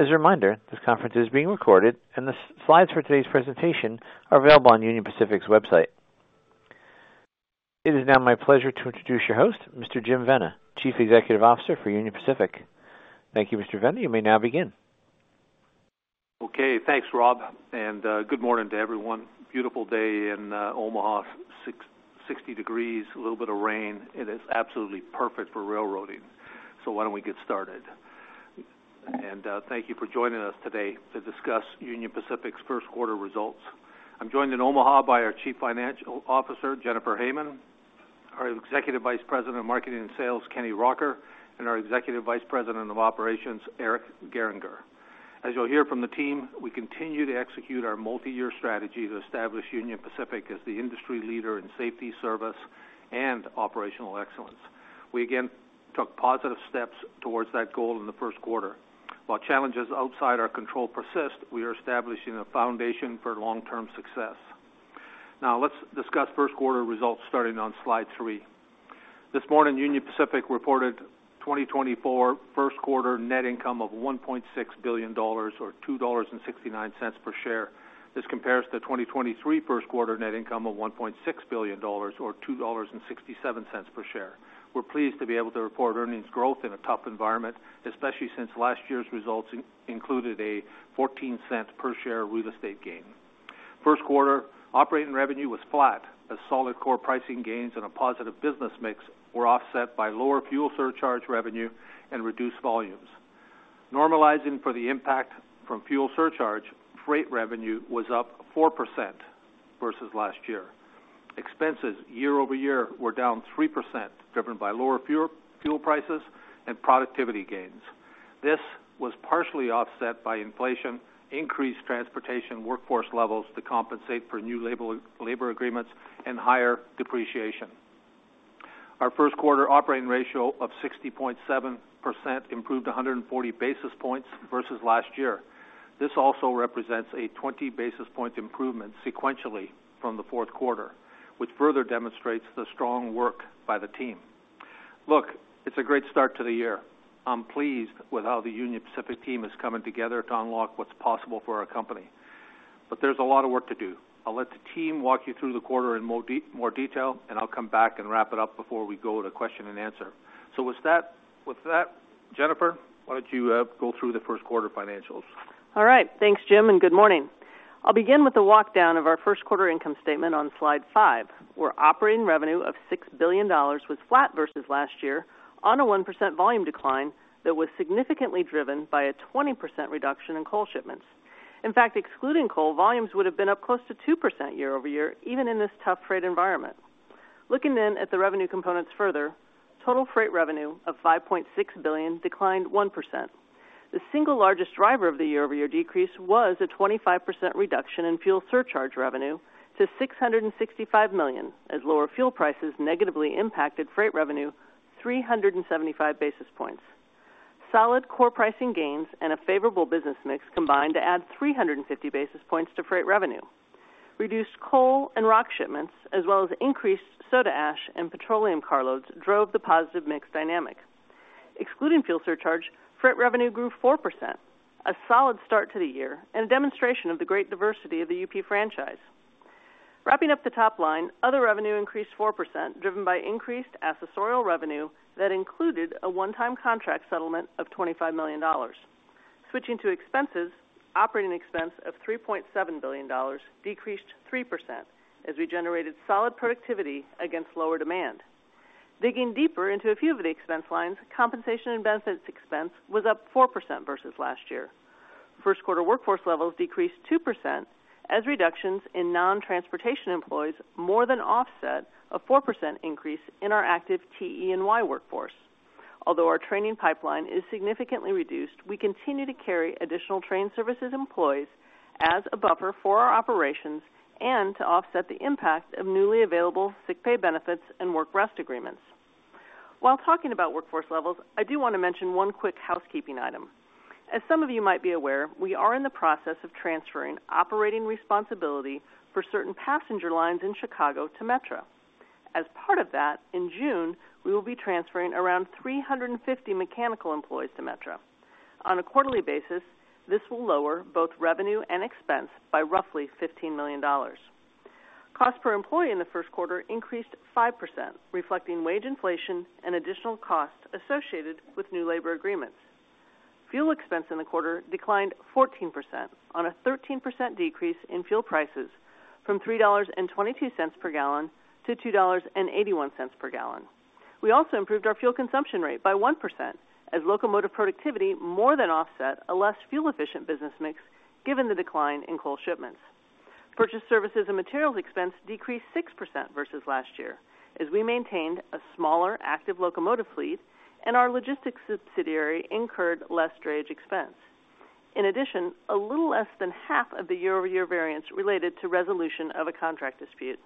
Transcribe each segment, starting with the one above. As a reminder, this conference is being recorded, and the slides for today's presentation are available on Union Pacific's website. It is now my pleasure to introduce your host, Mr. Jim Vena, Chief Executive Officer for Union Pacific. Thank you, Mr. Vena. You may now begin. Okay, thanks, Rob. Good morning to everyone. Beautiful day in Omaha, 60 degrees, a little bit of rain. It is absolutely perfect for railroading, so why don't we get started. Thank you for joining us today to discuss Union Pacific's first quarter results. I'm joined in Omaha by our Chief Financial Officer, Jennifer Hamann, our Executive Vice President of Marketing and Sales, Kenny Rocker, and our Executive Vice President of Operations, Eric Gehringer. As you'll hear from the team, we continue to execute our multi-year strategy to establish Union Pacific as the industry leader in safety service and operational excellence. We again took positive steps towards that goal in the first quarter. While challenges outside our control persist, we are establishing a foundation for long-term success. Now, let's discuss first quarter results starting on slide three. This morning, Union Pacific reported 2024 first quarter net income of $1.6 billion, or $2.69 per share. This compares to 2023 first quarter net income of $1.6 billion, or $2.67 per share. We're pleased to be able to report earnings growth in a tough environment, especially since last year's results included a $0.14 per share real estate gain. First quarter, operating revenue was flat, as solid core pricing gains and a positive business mix were offset by lower fuel surcharge revenue and reduced volumes. Normalizing for the impact from fuel surcharge, freight revenue was up 4% versus last year. Expenses, year over year, were down 3%, driven by lower fuel prices and productivity gains. This was partially offset by inflation, increased transportation workforce levels to compensate for new labor agreements, and higher depreciation. Our first quarter operating ratio of 60.7% improved 140 basis points versus last year. This also represents a 20 basis points improvement sequentially from the fourth quarter, which further demonstrates the strong work by the team. Look, it's a great start to the year. I'm pleased with how the Union Pacific team is coming together to unlock what's possible for our company. But there's a lot of work to do. I'll let the team walk you through the quarter in more detail, and I'll come back and wrap it up before we go to question and answer. With that, Jennifer, why don't you go through the first quarter financials? All right, thanks, Jim, and good morning. I'll begin with the walkdown of our first quarter income statement on slide five, where operating revenue of $6 billion was flat versus last year, on a 1% volume decline that was significantly driven by a 20% reduction in coal shipments. In fact, excluding coal, volumes would have been up close to 2% year-over-year, even in this tough freight environment. Looking then at the revenue components further, total freight revenue of $5.6 billion declined 1%. The single largest driver of the year-over-year decrease was a 25% reduction in fuel surcharge revenue to $665 million, as lower fuel prices negatively impacted freight revenue 375 basis points. Solid core pricing gains and a favorable business mix combined to add 350 basis points to freight revenue. Reduced coal and rock shipments, as well as increased soda ash and petroleum carloads, drove the positive mix dynamic. Excluding fuel surcharge, freight revenue grew 4%, a solid start to the year, and a demonstration of the great diversity of the UP franchise. Wrapping up the top line, other revenue increased 4%, driven by increased accessorial revenue that included a one-time contract settlement of $25 million. Switching to expenses, operating expense of $3.7 billion decreased 3%, as we generated solid productivity against lower demand. Digging deeper into a few of the expense lines, compensation and benefits expense was up 4% versus last year. First quarter workforce levels decreased 2%, as reductions in non-transportation employees more than offset a 4% increase in our active TE&Y workforce. Although our training pipeline is significantly reduced, we continue to carry additional trained services employees as a buffer for our operations and to offset the impact of newly available sick pay benefits and work rest agreements. While talking about workforce levels, I do want to mention one quick housekeeping item. As some of you might be aware, we are in the process of transferring operating responsibility for certain passenger lines in Chicago to Metra. As part of that, in June, we will be transferring around 350 mechanical employees to Metra. On a quarterly basis, this will lower both revenue and expense by roughly $15 million. Cost per employee in the first quarter increased 5%, reflecting wage inflation and additional costs associated with new labor agreements. Fuel expense in the quarter declined 14%, on a 13% decrease in fuel prices from $3.22 per gallon to $2.81 per gallon. We also improved our fuel consumption rate by 1%, as locomotive productivity more than offset a less fuel-efficient business mix given the decline in coal shipments. Purchased services and materials expense decreased 6% versus last year, as we maintained a smaller active locomotive fleet and our logistics subsidiary incurred less drayage expense. In addition, a little less than half of the year-over-year variance related to resolution of a contract dispute.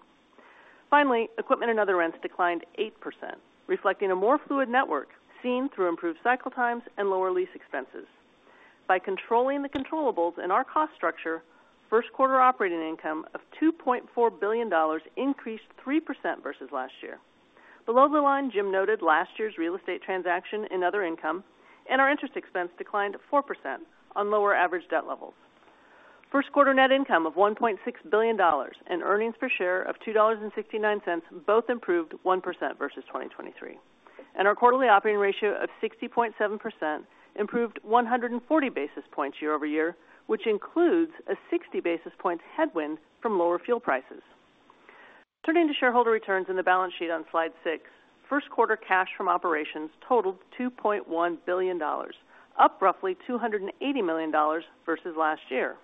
Finally, equipment and other rents declined 8%, reflecting a more fluid network seen through improved cycle times and lower lease expenses. By controlling the controllables in our cost structure, first quarter operating income of $2.4 billion increased 3% versus last year. Below the line, Jim noted last year's real estate transaction and other income, and our interest expense declined 4% on lower average debt levels. First quarter net income of $1.6 billion and earnings per share of $2.69 both improved 1% versus 2023. Our quarterly operating ratio of 60.7% improved 140 basis points year-over-year, which includes a 60 basis point headwind from lower fuel prices. Turning to shareholder returns in the balance sheet on slide six, first quarter cash from operations totaled $2.1 billion, up roughly $280 million versus last year.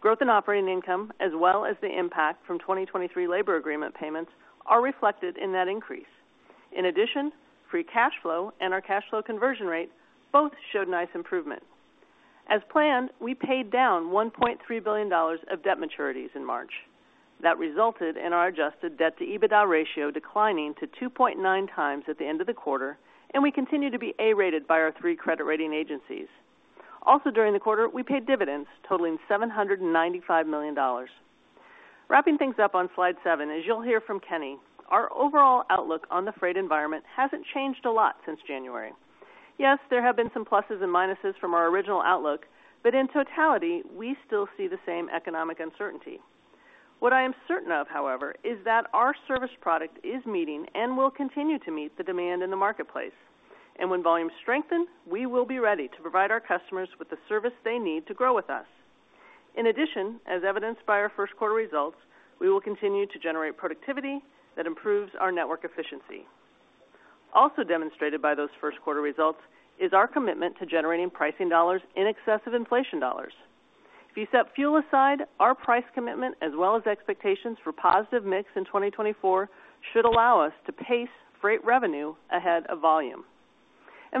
Growth in operating income, as well as the impact from 2023 labor agreement payments, are reflected in that increase. In addition, free cash flow and our cash flow conversion rate both showed nice improvement. As planned, we paid down $1.3 billion of debt maturities in March. That resulted in our adjusted debt-to-EBITDA ratio declining to 2.9 times at the end of the quarter, and we continue to be A-rated by our three credit rating agencies. Also, during the quarter, we paid dividends, totaling $795 million. Wrapping things up on slide 7, as you'll hear from Kenny, our overall outlook on the freight environment hasn't changed a lot since January. Yes, there have been some pluses and minuses from our original outlook, but in totality, we still see the same economic uncertainty. What I am certain of, however, is that our service product is meeting and will continue to meet the demand in the marketplace. When volumes strengthen, we will be ready to provide our customers with the service they need to grow with us. In addition, as evidenced by our first quarter results, we will continue to generate productivity that improves our network efficiency. Also demonstrated by those first quarter results is our commitment to generating pricing dollars in excess of inflation dollars. If you set fuel aside, our price commitment, as well as expectations for positive mix in 2024, should allow us to pace freight revenue ahead of volume.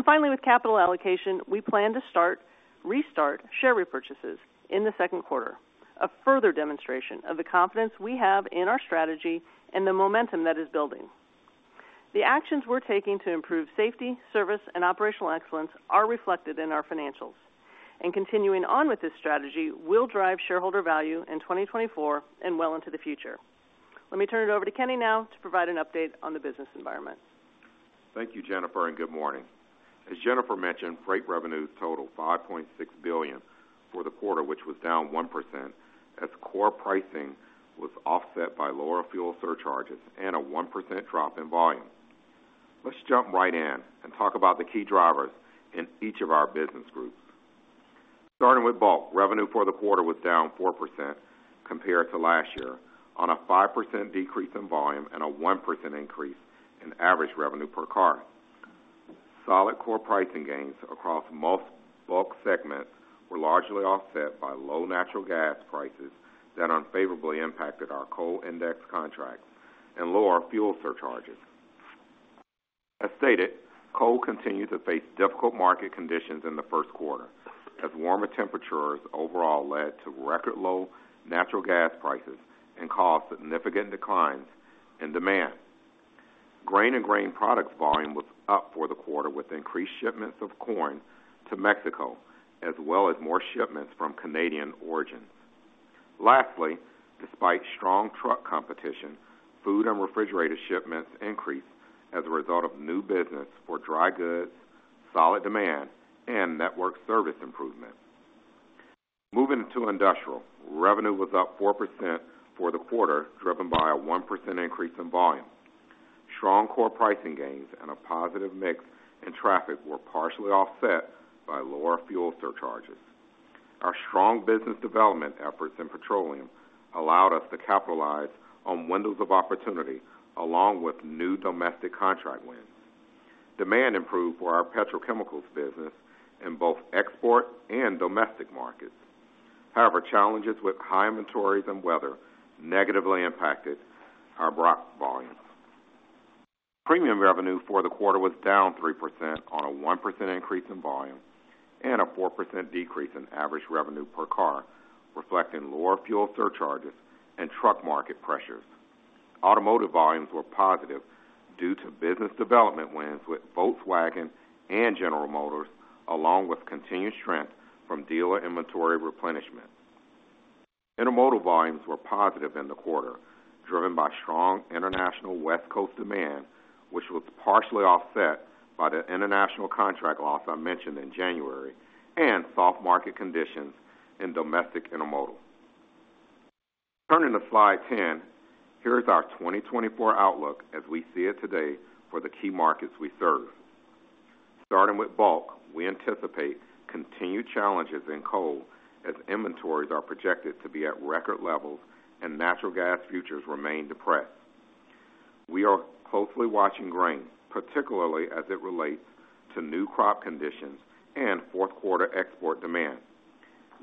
Finally, with capital allocation, we plan to start, restart share repurchases in the second quarter, a further demonstration of the confidence we have in our strategy and the momentum that is building. The actions we're taking to improve safety, service, and operational excellence are reflected in our financials. Continuing on with this strategy will drive shareholder value in 2024 and well into the future. Let me turn it over to Kenny now to provide an update on the business environment. Thank you, Jennifer, and good morning. As Jennifer mentioned, freight revenue totaled $5.6 billion for the quarter, which was down 1%, as core pricing was offset by lower fuel surcharges and a 1% drop in volume. Let's jump right in and talk about the key drivers in each of our business groups. Starting with Bulk, revenue for the quarter was down 4% compared to last year, on a 5% decrease in volume and a 1% increase in average revenue per car. Solid core pricing gains across most Bulk segments were largely offset by low natural gas prices that unfavorably impacted our coal index contracts and lower fuel surcharges. As stated, coal continued to face difficult market conditions in the first quarter, as warmer temperatures overall led to record low natural gas prices and caused significant declines in demand. Grain and grain products volume was up for the quarter with increased shipments of corn to Mexico, as well as more shipments from Canadian origins. Lastly, despite strong truck competition, food and refrigerated shipments increased as a result of new business for dry goods, solid demand, and network service improvement. Moving to Industrial, revenue was up 4% for the quarter, driven by a 1% increase in volume. Strong Core pricing gains and a positive mix in traffic were partially offset by lower fuel surcharges. Our strong business development efforts in petroleum allowed us to capitalize on windows of opportunity along with new domestic contract wins. Demand improved for our Petrochemicals business in both export and domestic markets. However, challenges with high inventories and weather negatively impacted our Bulk volumes. Premium revenue for the quarter was down 3% on a 1% increase in volume and a 4% decrease in average revenue per car, reflecting lower fuel surcharges and truck market pressures. Automotive volumes were positive due to business development wins with Volkswagen and General Motors, along with continued strength from dealer inventory replenishment. Intermodal volumes were positive in the quarter, driven by strong international West Coast demand, which was partially offset by the international contract loss I mentioned in January and soft market conditions in domestic intermodal. Turning to slide 10, here is our 2024 outlook as we see it today for the key markets we serve. Starting with bulk, we anticipate continued challenges in coal as inventories are projected to be at record levels and natural gas futures remain depressed. We are closely watching grain, particularly as it relates to new crop conditions and fourth quarter export demand.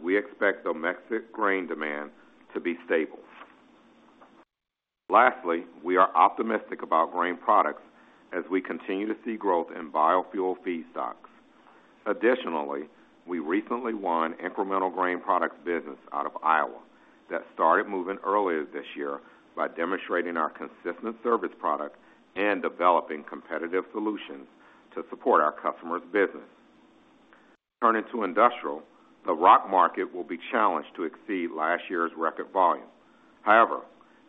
We expect domestic grain demand to be stable. Lastly, we are optimistic about grain products as we continue to see growth in biofuel feedstocks. Additionally, we recently won incremental grain products business out of Iowa that started moving earlier this year by demonstrating our consistent service product and developing competitive solutions to support our customers' business. Turning to Industrial, the rock market will be challenged to exceed last year's record volume. However,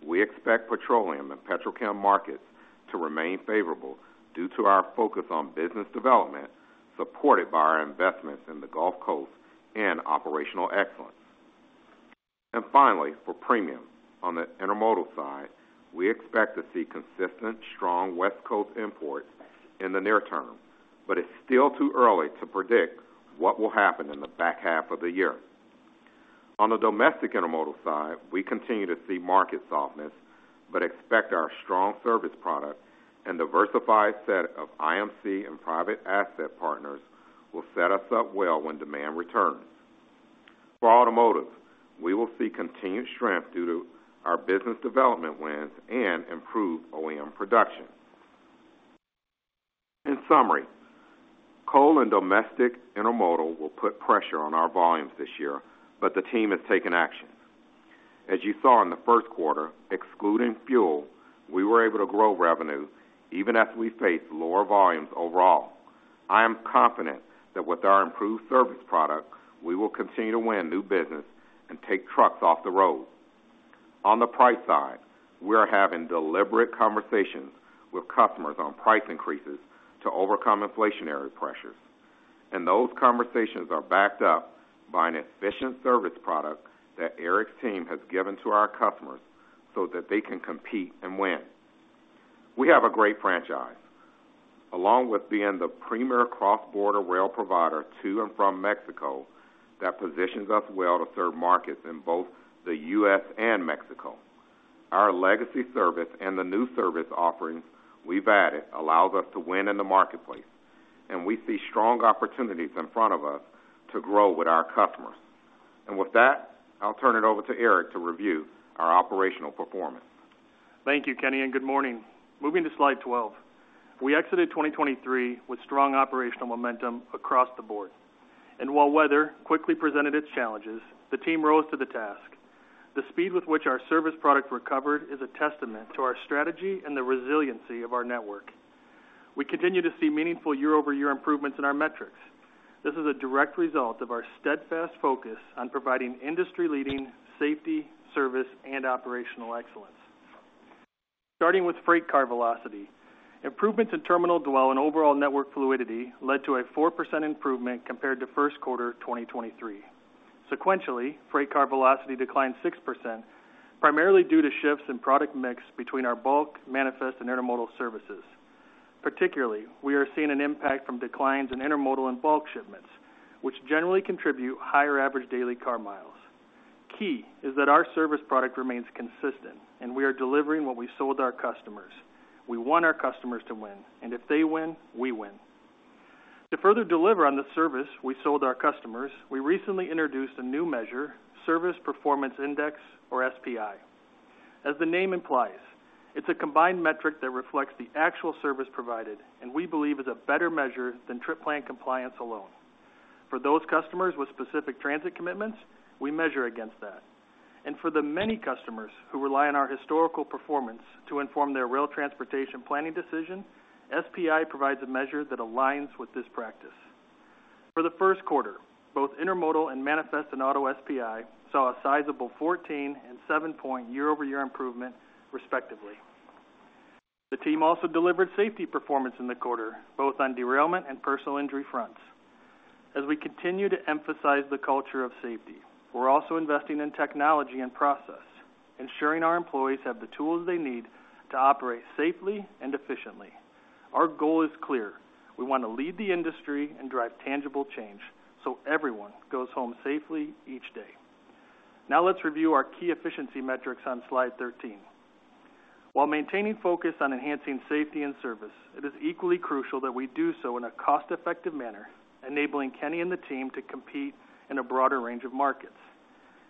we expect petroleum and petrochem markets to remain favorable due to our focus on business development supported by our investments in the Gulf Coast and operational excellence. Finally, for Premium, on the intermodal side, we expect to see consistent, strong West Coast imports in the near term, but it's still too early to predict what will happen in the back half of the year. On the domestic intermodal side, we continue to see market softness but expect our strong service product and diversified set of IMC and private asset partners will set us up well when demand returns. For automotive, we will see continued strength due to our business development wins and improved OEM production. In summary, coal and domestic intermodal will put pressure on our volumes this year, but the team has taken action. As you saw in the first quarter, excluding fuel, we were able to grow revenue even as we faced lower volumes overall. I am confident that with our improved service product, we will continue to win new business and take trucks off the road. On the price side, we are having deliberate conversations with customers on price increases to overcome inflationary pressures. And those conversations are backed up by an efficient service product that Eric's team has given to our customers so that they can compete and win. We have a great franchise, along with being the premier cross-border rail provider to and from Mexico that positions us well to serve markets in both the U.S. and Mexico. Our legacy service and the new service offerings we've added allow us to win in the marketplace, and we see strong opportunities in front of us to grow with our customers. And with that, I'll turn it over to Eric to review our operational performance. Thank you, Kenny, and good morning. Moving to slide 12, we exited 2023 with strong operational momentum across the board. While weather quickly presented its challenges, the team rose to the task. The speed with which our service product recovered is a testament to our strategy and the resiliency of our network. We continue to see meaningful year-over-year improvements in our metrics. This is a direct result of our steadfast focus on providing industry-leading safety, service, and operational excellence. Starting with freight car velocity, improvements in terminal dwell and overall network fluidity led to a 4% improvement compared to first quarter 2023. Sequentially, freight car velocity declined 6%, primarily due to shifts in product mix between our bulk, manifest, and intermodal services. Particularly, we are seeing an impact from declines in intermodal and bulk shipments, which generally contribute higher average daily car miles. Key is that our service product remains consistent, and we are delivering what we sold our customers. We want our customers to win, and if they win, we win. To further deliver on the service we sold our customers, we recently introduced a new measure, Service Performance Index, or SPI. As the name implies, it's a combined metric that reflects the actual service provided, and we believe is a better measure than trip plan compliance alone. For those customers with specific transit commitments, we measure against that. For the many customers who rely on our historical performance to inform their rail transportation planning decision, SPI provides a measure that aligns with this practice. For the first quarter, both intermodal, manifest, and auto SPI saw a sizable 14- and 7-point year-over-year improvement, respectively. The team also delivered safety performance in the quarter, both on derailment and personal injury fronts. As we continue to emphasize the culture of safety, we're also investing in technology and process, ensuring our employees have the tools they need to operate safely and efficiently. Our goal is clear. We want to lead the industry and drive tangible change so everyone goes home safely each day. Now let's review our key efficiency metrics on slide 13. While maintaining focus on enhancing safety and service, it is equally crucial that we do so in a cost-effective manner, enabling Kenny and the team to compete in a broader range of markets.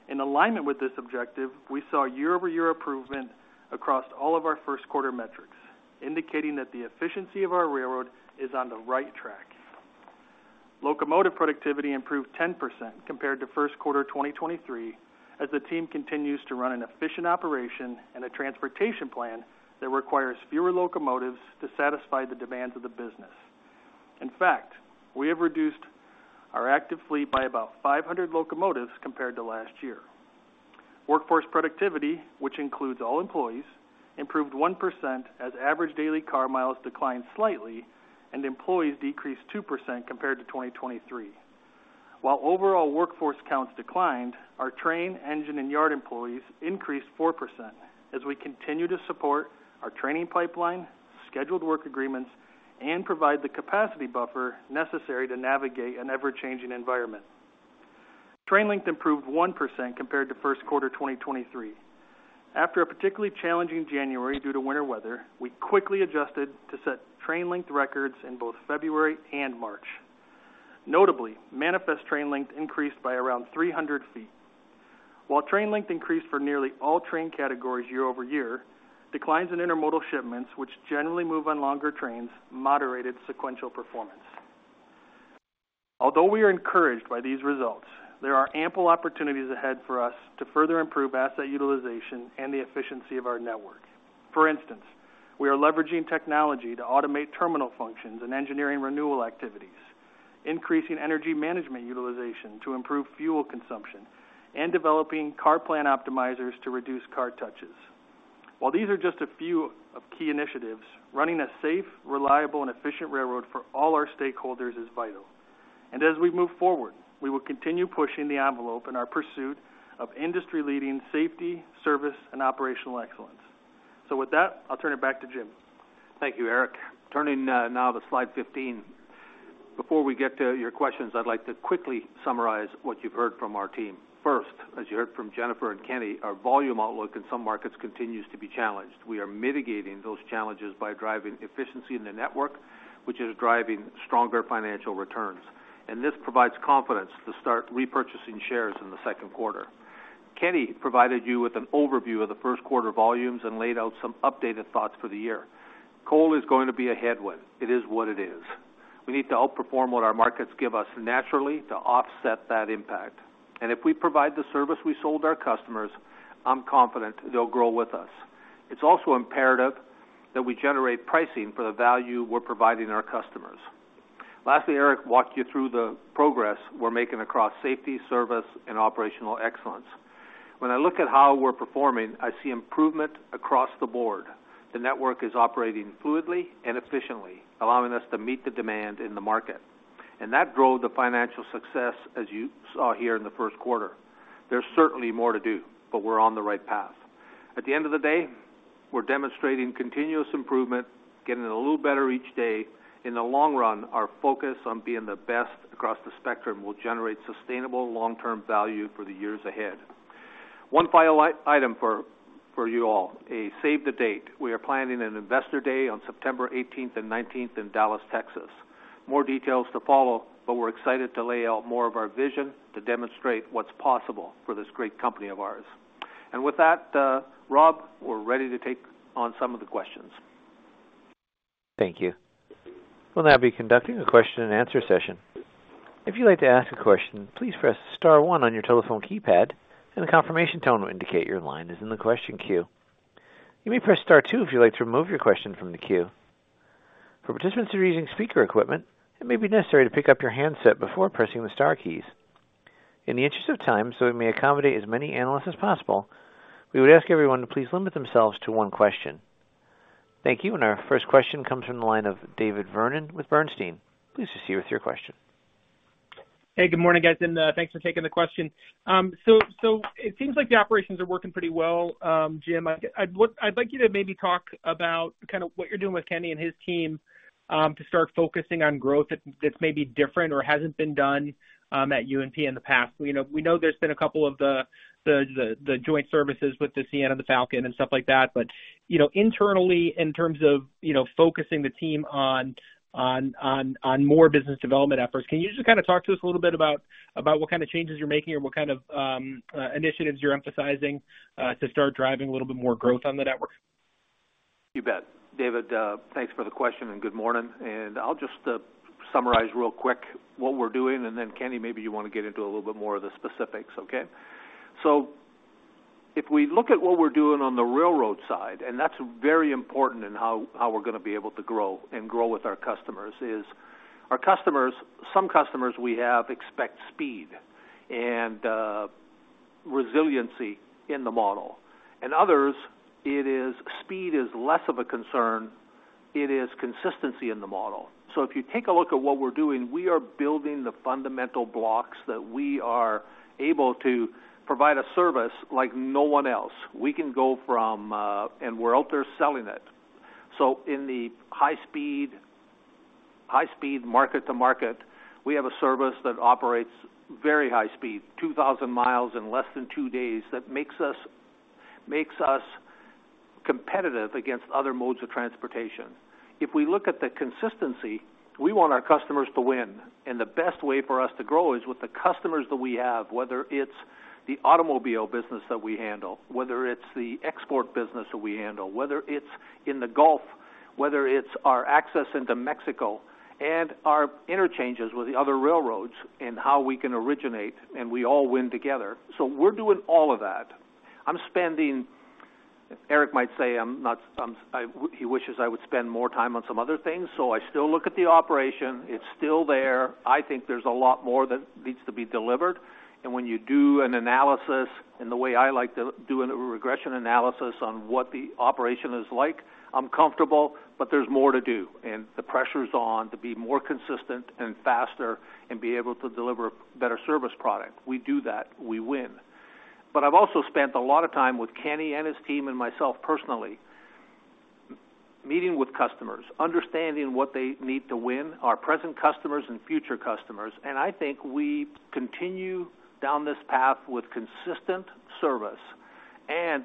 In alignment with this objective, we saw year-over-year improvement across all of our first quarter metrics, indicating that the efficiency of our railroad is on the right track. Locomotive productivity improved 10% compared to first quarter 2023 as the team continues to run an efficient operation and a transportation plan that requires fewer locomotives to satisfy the demands of the business. In fact, we have reduced our active fleet by about 500 locomotives compared to last year. Workforce productivity, which includes all employees, improved 1% as average daily car miles declined slightly, and employees decreased 2% compared to 2023. While overall workforce counts declined, our train, engine, and yard employees increased 4% as we continue to support our training pipeline, scheduled work agreements, and provide the capacity buffer necessary to navigate an ever-changing environment. Train length improved 1% compared to first quarter 2023. After a particularly challenging January due to winter weather, we quickly adjusted to set train length records in both February and March. Notably, manifest train length increased by around 300 feet. While train length increased for nearly all train categories year-over-year, declines in intermodal shipments, which generally move on longer trains, moderated sequential performance. Although we are encouraged by these results, there are ample opportunities ahead for us to further improve asset utilization and the efficiency of our network. For instance, we are leveraging technology to automate terminal functions and engineering renewal activities, increasing energy management utilization to improve fuel consumption, and developing car plan optimizers to reduce car touches. While these are just a few of key initiatives, running a safe, reliable, and efficient railroad for all our stakeholders is vital. As we move forward, we will continue pushing the envelope in our pursuit of industry-leading safety, service, and operational excellence. With that, I'll turn it back to Jim. Thank you, Eric. Turning now to slide 15, before we get to your questions, I'd like to quickly summarize what you've heard from our team. First, as you heard from Jennifer and Kenny, our volume outlook in some markets continues to be challenged. We are mitigating those challenges by driving efficiency in the network, which is driving stronger financial returns. This provides confidence to start repurchasing shares in the second quarter. Kenny provided you with an overview of the first quarter volumes and laid out some updated thoughts for the year. Coal is going to be a headwind. It is what it is. We need to outperform what our markets give us naturally to offset that impact. If we provide the service we sold our customers, I'm confident they'll grow with us. It's also imperative that we generate pricing for the value we're providing our customers. Lastly, Eric walked you through the progress we're making across safety, service, and operational excellence. When I look at how we're performing, I see improvement across the board. The network is operating fluidly and efficiently, allowing us to meet the demand in the market. That drove the financial success, as you saw here in the first quarter. There's certainly more to do, but we're on the right path. At the end of the day, we're demonstrating continuous improvement, getting a little better each day. In the long run, our focus on being the best across the spectrum will generate sustainable long-term value for the years ahead. One final item for you all, a save-the-date. We are planning an investor day on September 18th and 19th in Dallas, Texas. More details to follow, but we're excited to lay out more of our vision to demonstrate what's possible for this great company of ours. With that, Rob, we're ready to take on some of the questions. Thank you. We'll now be conducting a question-and-answer session. If you'd like to ask a question, please press star one on your telephone keypad, and the confirmation tone will indicate your line is in the question queue. You may press star two if you'd like to remove your question from the queue. For participants who are using speaker equipment, it may be necessary to pick up your handset before pressing the star keys. In the interest of time, so we may accommodate as many analysts as possible, we would ask everyone to please limit themselves to one question. Thank you, and our first question comes from the line of David Vernon with Bernstein. Please proceed with your question. Hey, good morning, guys, and thanks for taking the question. So it seems like the operations are working pretty well, Jim. I'd like you to maybe talk about kind of what you're doing with Kenny and his team to start focusing on growth that's maybe different or hasn't been done at UNP in the past. We know there's been a couple of the joint services with the CN and the Falcon and stuff like that, but internally, in terms of focusing the team on more business development efforts, can you just kind of talk to us a little bit about what kind of changes you're making or what kind of initiatives you're emphasizing to start driving a little bit more growth on the network? You bet. David, thanks for the question and good morning. I'll just summarize real quick what we're doing, and then Kenny, maybe you want to get into a little bit more of the specifics, okay? So if we look at what we're doing on the railroad side, and that's very important in how we're going to be able to grow and grow with our customers, is our customers, some customers we have expect speed and resiliency in the model. Others, speed is less of a concern. It is consistency in the model. So if you take a look at what we're doing, we are building the fundamental blocks that we are able to provide a service like no one else. We can go from and we're out there selling it. So in the high-speed market-to-market, we have a service that operates very high speed, 2,000 miles in less than two days, that makes us competitive against other modes of transportation. If we look at the consistency, we want our customers to win. And the best way for us to grow is with the customers that we have, whether it's the automobile business that we handle, whether it's the export business that we handle, whether it's in the Gulf, whether it's our access into Mexico, and our interchanges with the other railroads and how we can originate, and we all win together. So we're doing all of that. I'm spending, Eric might say I'm not, he wishes I would spend more time on some other things, so I still look at the operation. It's still there. I think there's a lot more that needs to be delivered. And when you do an analysis in the way I like to do, a regression analysis on what the operation is like, I'm comfortable, but there's more to do. And the pressure's on to be more consistent and faster and be able to deliver a better service product. We do that. We win. But I've also spent a lot of time with Kenny and his team and myself personally meeting with customers, understanding what they need to win, our present customers and future customers. And I think we continue down this path with consistent service. And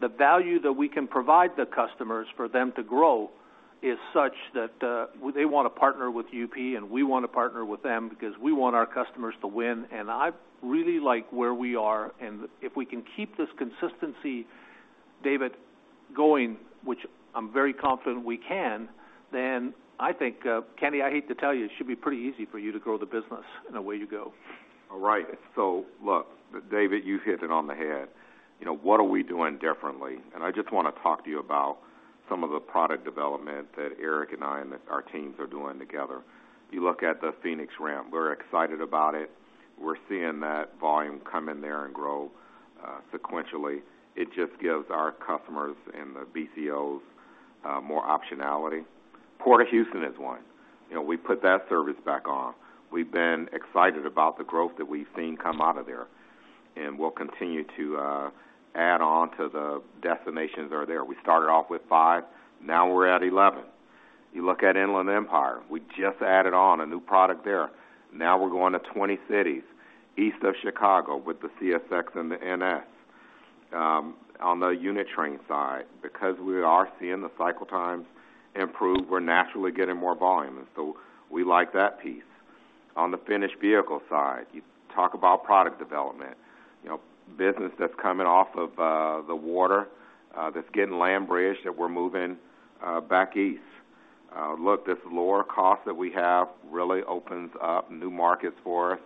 the value that we can provide the customers for them to grow is such that they want to partner with UP, and we want to partner with them because we want our customers to win. And I really like where we are. If we can keep this consistency, David, going, which I'm very confident we can, then I think, Kenny, I hate to tell you, it should be pretty easy for you to grow the business in a way you go. All right. So look, David, you've hit it on the head. What are we doing differently? And I just want to talk to you about some of the product development that Eric and I and our teams are doing together. You look at the Phoenix ramp. We're excited about it. We're seeing that volume come in there and grow sequentially. It just gives our customers and the BCOs more optionality. Port Houston is one. We put that service back on. We've been excited about the growth that we've seen come out of there. And we'll continue to add on to the destinations that are there. We started off with 5. Now we're at 11. You look at Inland Empire. We just added on a new product there. Now we're going to 20 cities east of Chicago with the CSX and the NS. On the unit train side, because we are seeing the cycle times improve, we're naturally getting more volume. And so we like that piece. On the finished vehicle side, you talk about product development, business that's coming off of the water, that's getting land bridged, that we're moving back east. Look, this lower cost that we have really opens up new markets for us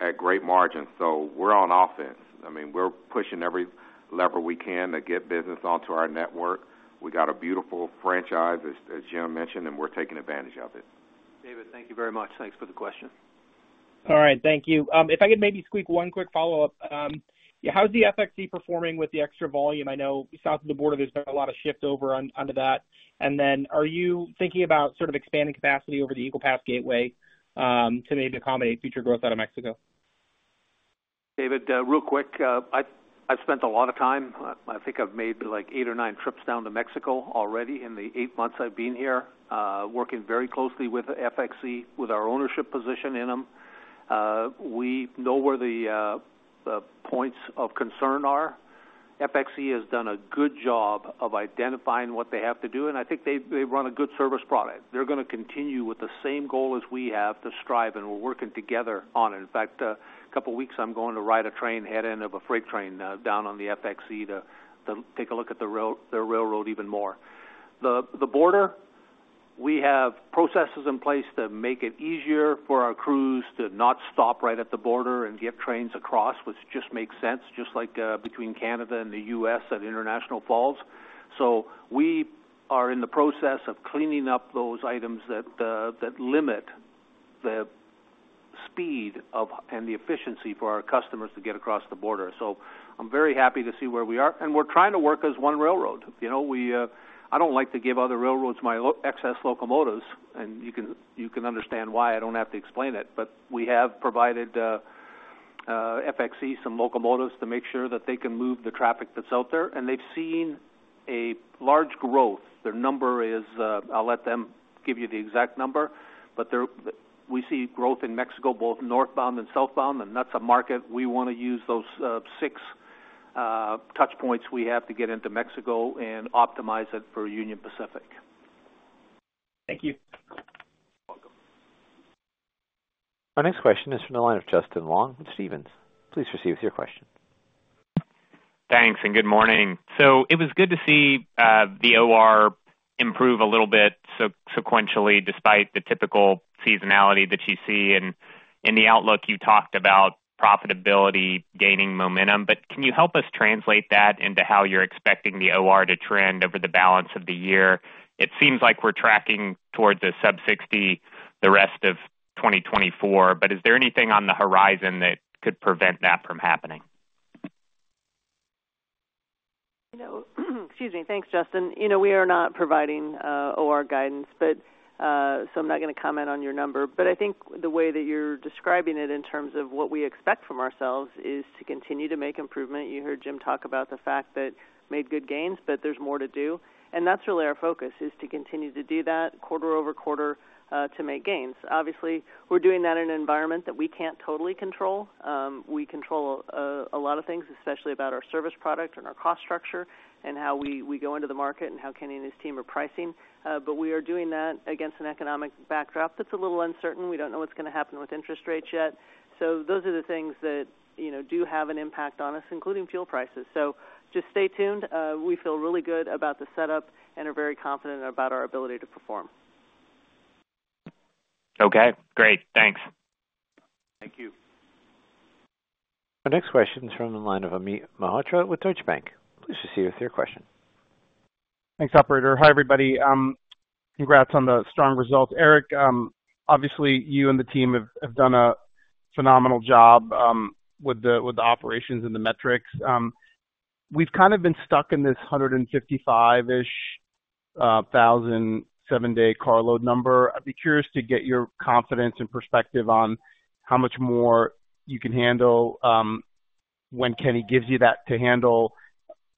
at great margins. So we're on offense. I mean, we're pushing every lever we can to get business onto our network. We got a beautiful franchise, as Jim mentioned, and we're taking advantage of it. David, thank you very much. Thanks for the question. All right. Thank you. If I could maybe squeak one quick follow-up. How's the FXC performing with the extra volume? I know south of the border, there's been a lot of shift over onto that. And then are you thinking about sort of expanding capacity over the Eagle Pass Gateway to maybe accommodate future growth out of Mexico? David, real quick, I've spent a lot of time. I think I've made like 8 or 9 trips down to Mexico already in the 8 months I've been here, working very closely with FXC, with our ownership position in them. We know where the points of concern are. FXC has done a good job of identifying what they have to do, and I think they run a good service product. They're going to continue with the same goal as we have to strive, and we're working together on it. In fact, a couple of weeks, I'm going to ride a train head-end of a freight train down on the FXC to take a look at their railroad even more. The border, we have processes in place to make it easier for our crews to not stop right at the border and get trains across, which just makes sense, just like between Canada and the U.S. at International Falls. We are in the process of cleaning up those items that limit the speed and the efficiency for our customers to get across the border. I'm very happy to see where we are. We're trying to work as one railroad. I don't like to give other railroads my excess locomotives, and you can understand why. I don't have to explain it. But we have provided FXC some locomotives to make sure that they can move the traffic that's out there. They've seen a large growth. Their number is. I'll let them give you the exact number. But we see growth in Mexico, both northbound and southbound, and that's a market we want to use, those six touchpoints we have to get into Mexico and optimize it for Union Pacific. Thank you. You're welcome. Our next question is from the line of Justin Long with Stephens. Please proceed with your question. Thanks and good morning. It was good to see the OR improve a little bit sequentially despite the typical seasonality that you see. In the outlook, you talked about profitability gaining momentum. Can you help us translate that into how you're expecting the OR to trend over the balance of the year? It seems like we're tracking towards a sub-60 the rest of 2024, but is there anything on the horizon that could prevent that from happening? Excuse me. Thanks, Justin. We are not providing OR guidance, so I'm not going to comment on your number. But I think the way that you're describing it in terms of what we expect from ourselves is to continue to make improvement. You heard Jim talk about the fact that we made good gains, but there's more to do. And that's really our focus, is to continue to do that quarter-over-quarter to make gains. Obviously, we're doing that in an environment that we can't totally control. We control a lot of things, especially about our service product and our cost structure and how we go into the market and how Kenny and his team are pricing. But we are doing that against an economic backdrop that's a little uncertain. We don't know what's going to happen with interest rates yet. So those are the things that do have an impact on us, including fuel prices. So just stay tuned. We feel really good about the setup and are very confident about our ability to perform. Okay. Great. Thanks. Thank you. Our next question is from the line of Amit Mehrotra with Deutsche Bank. Please proceed with your question. Thanks, operator. Hi, everybody. Congrats on the strong results. Eric, obviously, you and the team have done a phenomenal job with the operations and the metrics. We've kind of been stuck in this 155,000-ish seven-day carloads number. I'd be curious to get your confidence and perspective on how much more you can handle when Kenny gives you that to handle,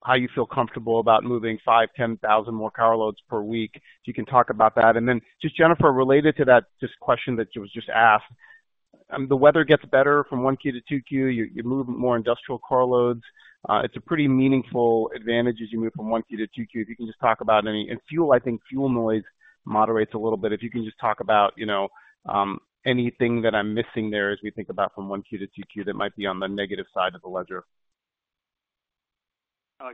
how you feel comfortable about moving 5,000, 10,000 more carloads per week. If you can talk about that. And then just, Jennifer, related to that just question that was just asked, the weather gets better from 1Q to 2Q. You move more industrial carloads. It's a pretty meaningful advantage as you move from 1Q to 2Q. If you can just talk about any and fuel, I think fuel noise moderates a little bit. If you can just talk about anything that I'm missing there as we think about from 1Q to 2Q that might be on the negative side of the ledger.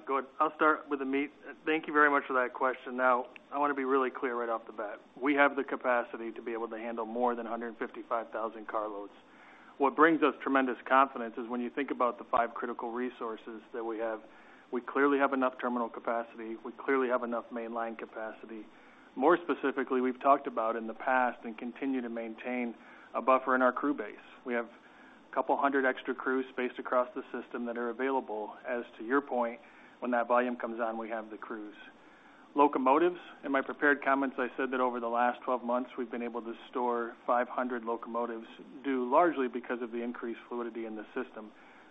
Good. I'll start with Amit. Thank you very much for that question. Now, I want to be really clear right off the bat. We have the capacity to be able to handle more than 155,000 carloads. What brings us tremendous confidence is when you think about the five critical resources that we have, we clearly have enough terminal capacity. We clearly have enough mainline capacity. More specifically, we've talked about in the past and continue to maintain a buffer in our crew base. We have a couple hundred extra crews spaced across the system that are available. As to your point, when that volume comes on, we have the crews. Locomotives, in my prepared comments, I said that over the last 12 months, we've been able to store 500 locomotives, largely because of the increased fluidity in the system.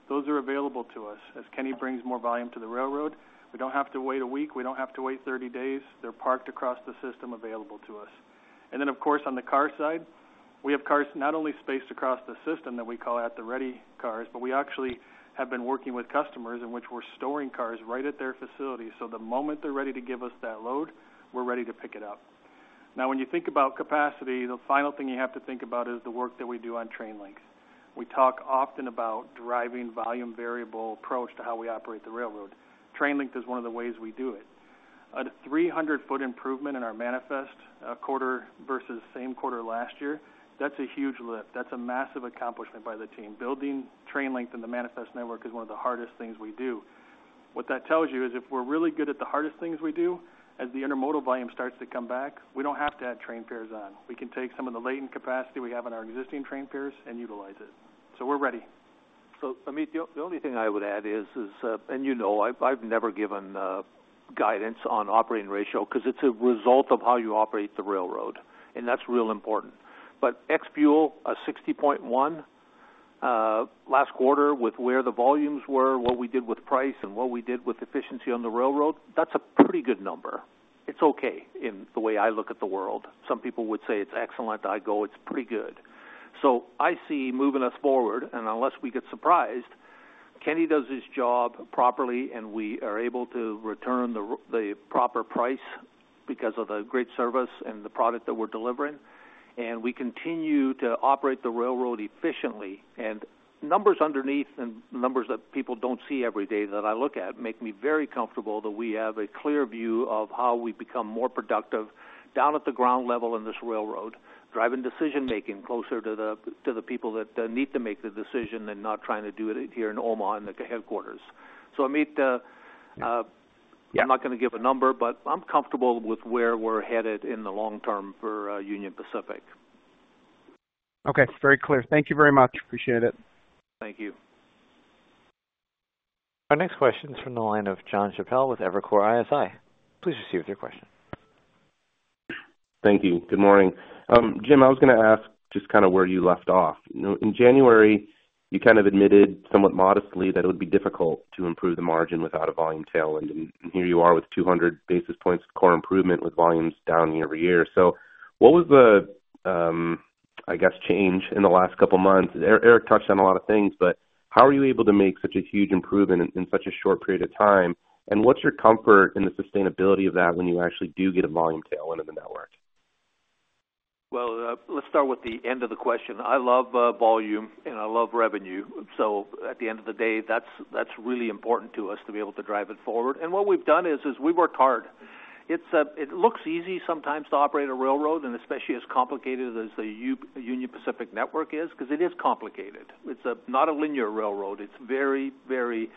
Those are available to us. As Kenny brings more volume to the railroad, we don't have to wait a week. We don't have to wait 30 days. They're parked across the system available to us. And then, of course, on the car side, we have cars not only spaced across the system that we call at-the-ready cars, but we actually have been working with customers in which we're storing cars right at their facility. So the moment they're ready to give us that load, we're ready to pick it up. Now, when you think about capacity, the final thing you have to think about is the work that we do on train lengths. We talk often about driving volume variable approach to how we operate the railroad. Train length is one of the ways we do it. A 300-foot improvement in our manifest, quarter versus same quarter last year, that's a huge lift. That's a massive accomplishment by the team. Building train length in the manifest network is one of the hardest things we do. What that tells you is if we're really good at the hardest things we do, as the intermodal volume starts to come back, we don't have to add train pairs on. We can take some of the latent capacity we have in our existing train pairs and utilize it. So we're ready. So Amit, the only thing I would add is, and you know, I've never given guidance on operating ratio because it's a result of how you operate the railroad. That's real important. But ex-fuel, a 60.1% last quarter with where the volumes were, what we did with price, and what we did with efficiency on the railroad, that's a pretty good number. It's okay in the way I look at the world. Some people would say it's excellent. I go, it's pretty good. So I see moving us forward, and unless we get surprised, Kenny does his job properly and we are able to return the proper price because of the great service and the product that we're delivering. We continue to operate the railroad efficiently. Numbers underneath and numbers that people don't see every day that I look at make me very comfortable that we have a clear view of how we become more productive down at the ground level in this railroad, driving decision-making closer to the people that need to make the decision and not trying to do it here in Omaha in the headquarters. So Amit, I'm not going to give a number, but I'm comfortable with where we're headed in the long term for Union Pacific. Okay. Very clear. Thank you very much. Appreciate it. Thank you. Our next question is from the line of Jonathan Chappell with Evercore ISI. Please proceed with your question. Thank you. Good morning. Jim, I was going to ask just kind of where you left off. In January, you kind of admitted somewhat modestly that it would be difficult to improve the margin without a volume tail end. And here you are with 200 basis points of core improvement with volumes down year-over-year. So what was the, I guess, change in the last couple of months? Eric touched on a lot of things, but how are you able to make such a huge improvement in such a short period of time? And what's your comfort in the sustainability of that when you actually do get a volume tail end in the network? Well, let's start with the end of the question. I love volume and I love revenue. So at the end of the day, that's really important to us to be able to drive it forward. And what we've done is we've worked hard. It looks easy sometimes to operate a railroad, and especially as complicated as the Union Pacific network is because it is complicated. It's not a linear railroad. It's very, very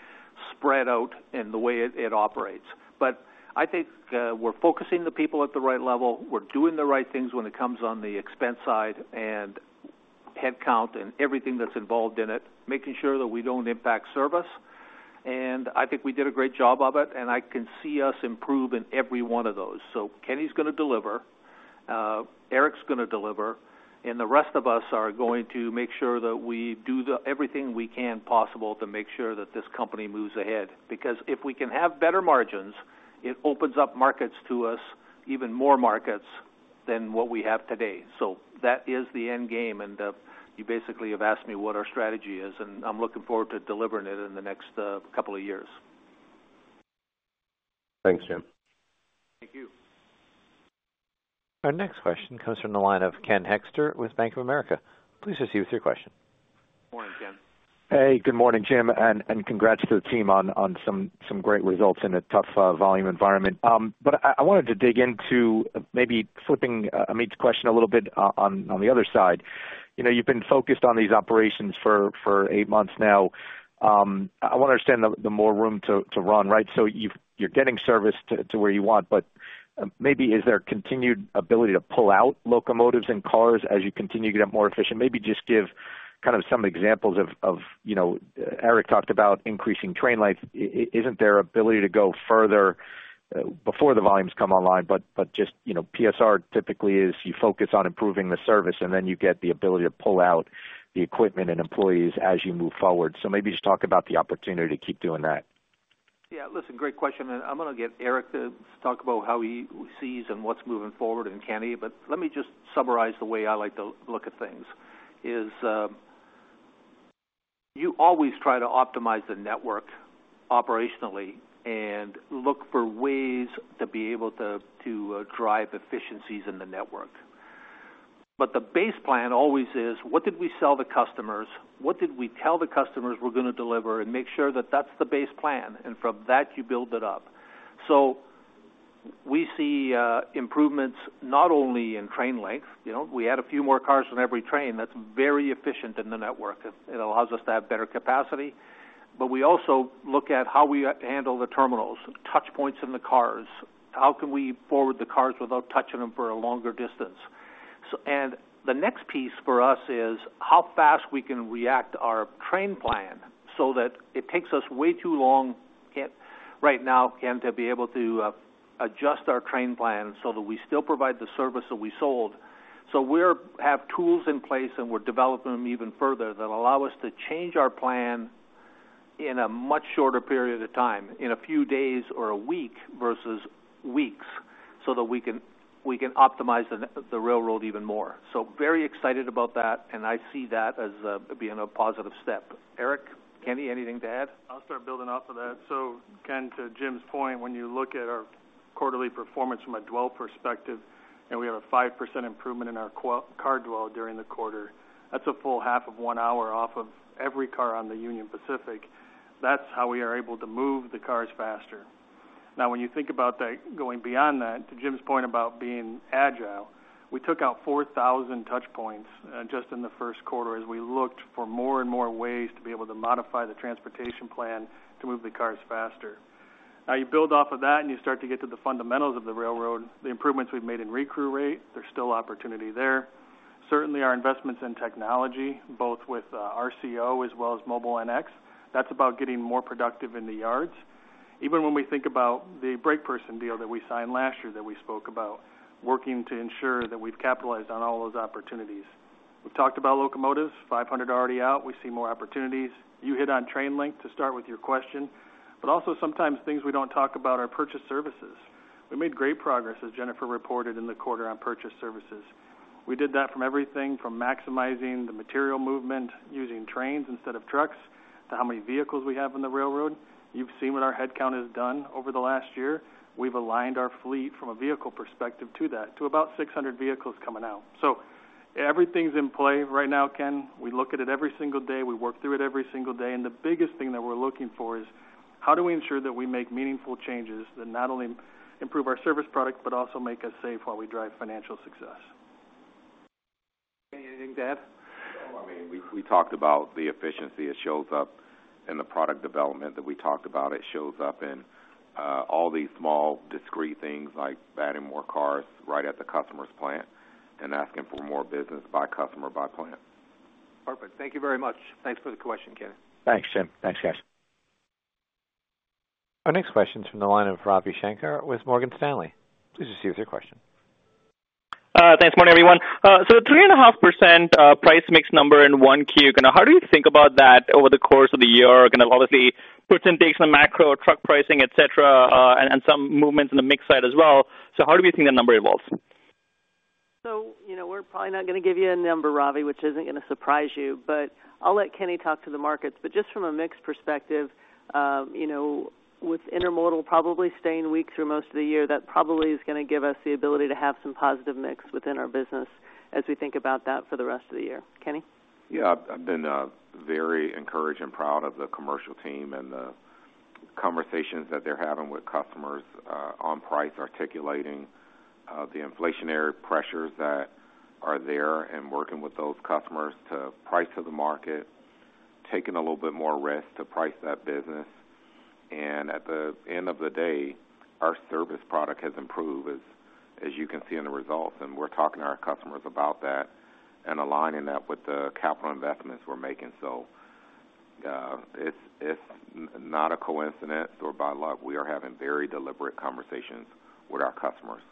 spread out in the way it operates. But I think we're focusing the people at the right level. We're doing the right things when it comes on the expense side and headcount and everything that's involved in it, making sure that we don't impact service. And I think we did a great job of it, and I can see us improve in every one of those. So Kenny's going to deliver. Eric's going to deliver. The rest of us are going to make sure that we do everything we can possibly to make sure that this company moves ahead. Because if we can have better margins, it opens up markets to us, even more markets than what we have today. That is the end game. You basically have asked me what our strategy is, and I'm looking forward to delivering it in the next couple of years. Thanks, Jim. Thank you. Our next question comes from the line of Ken Hoexter with Bank of America. Please proceed with your question. Good morning, Ken. Hey, good morning, Jim, and congrats to the team on some great results in a tough volume environment. But I wanted to dig into maybe flipping Amit's question a little bit on the other side. You've been focused on these operations for eight months now. I want to understand the more room to run, right? So you're getting service to where you want, but maybe is there continued ability to pull out locomotives and cars as you continue to get more efficient? Maybe just give kind of some examples of Eric talked about increasing train lengths. Isn't there ability to go further before the volumes come online? But just PSR typically is you focus on improving the service, and then you get the ability to pull out the equipment and employees as you move forward. So maybe just talk about the opportunity to keep doing that. Yeah. Listen, great question. And I'm going to get Eric to talk about how he sees and what's moving forward and Kenny. But let me just summarize the way I like to look at things. You always try to optimize the network operationally and look for ways to be able to drive efficiencies in the network. But the base plan always is, what did we sell the customers? What did we tell the customers we're going to deliver? And make sure that that's the base plan. And from that, you build it up. So we see improvements not only in train length. We add a few more cars on every train. That's very efficient in the network. It allows us to have better capacity. But we also look at how we handle the terminals, touchpoints in the cars. How can we forward the cars without touching them for a longer distance? The next piece for us is how fast we can react our train plan so that it takes us way too long right now, Ken, to be able to adjust our train plan so that we still provide the service that we sold. So we have tools in place, and we're developing them even further that allow us to change our plan in a much shorter period of time, in a few days or a week versus weeks, so that we can optimize the railroad even more. So very excited about that, and I see that as being a positive step. Eric, Kenny, anything to add? I'll start building off of that. So Ken, to Jim's point, when you look at our quarterly performance from a dwell perspective, and we have a 5% improvement in our car dwell during the quarter, that's a full half of one hour off of every car on the Union Pacific. That's how we are able to move the cars faster. Now, when you think about that going beyond that, to Jim's point about being agile, we took out 4,000 touchpoints just in the first quarter as we looked for more and more ways to be able to modify the transportation plan to move the cars faster. Now, you build off of that, and you start to get to the fundamentals of the railroad, the improvements we've made in recruit rate. There's still opportunity there. Certainly, our investments in technology, both with RCO as well as Mobile NX, that's about getting more productive in the yards. Even when we think about the brakeperson deal that we signed last year that we spoke about, working to ensure that we've capitalized on all those opportunities. We've talked about locomotives, 500 already out. We see more opportunities. You hit on train length to start with your question. But also sometimes things we don't talk about are purchased services. We made great progress, as Jennifer reported, in the quarter on purchased services. We did that from everything from maximizing the material movement using trains instead of trucks to how many vehicles we have on the railroad. You've seen what our headcount has done over the last year. We've aligned our fleet from a vehicle perspective to that, to about 600 vehicles coming out. Everything's in play right now, Ken. We look at it every single day. We work through it every single day. The biggest thing that we're looking for is how do we ensure that we make meaningful changes that not only improve our service product but also make us safe while we drive financial success? Kenny, anything to add? I mean, we talked about the efficiency. It shows up in the product development that we talked about. It shows up in all these small discrete things like adding more cars right at the customer's plant and asking for more business by customer, by plant. Perfect. Thank you very much. Thanks for the question, Kenny. Thanks, Jim. Thanks, guys. Our next question is from the line of Ravi Shankar with Morgan Stanley. Please proceed with your question. Thanks. Morning, everyone. So the 3.5% price mix number in 1Q, how do you think about that over the course of the year? Obviously, percentage in the macro, truck pricing, etc., and some movements in the mix side as well. So how do we think that number evolves? So we're probably not going to give you a number, Ravi, which isn't going to surprise you. But I'll let Kenny talk to the markets. But just from a mixed perspective, with intermodal probably staying weak through most of the year, that probably is going to give us the ability to have some positive mix within our business as we think about that for the rest of the year. Kenny? Yeah. I've been very encouraged and proud of the commercial team and the conversations that they're having with customers on price, articulating the inflationary pressures that are there and working with those customers to price to the market, taking a little bit more risk to price that business. And at the end of the day, our service product has improved, as you can see in the results. And we're talking to our customers about that and aligning that with the capital investments we're making. So it's not a coincidence or by luck. We are having very deliberate conversations with our customers.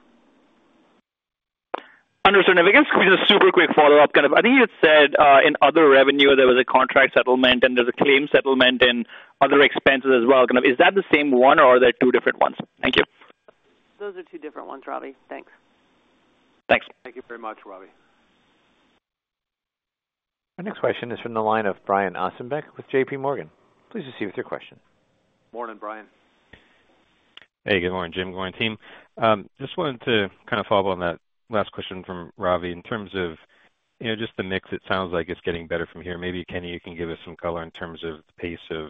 Understood. I guess just a super quick follow-up. I think you had said in other revenue, there was a contract settlement, and there's a claim settlement and other expenses as well. Is that the same one, or are there two different ones? Thank you. Those are two different ones, Ravi. Thanks. Thanks. Thank you very much, Ravi. Our next question is from the line of Brian Ossenbeck with JP Morgan. Please proceed with your question. Morning, Brian. Hey. Good morning, Jim. Good morning, team. Just wanted to kind of follow up on that last question from Ravi. In terms of just the mix, it sounds like it's getting better from here. Maybe, Kenny, you can give us some color in terms of the pace of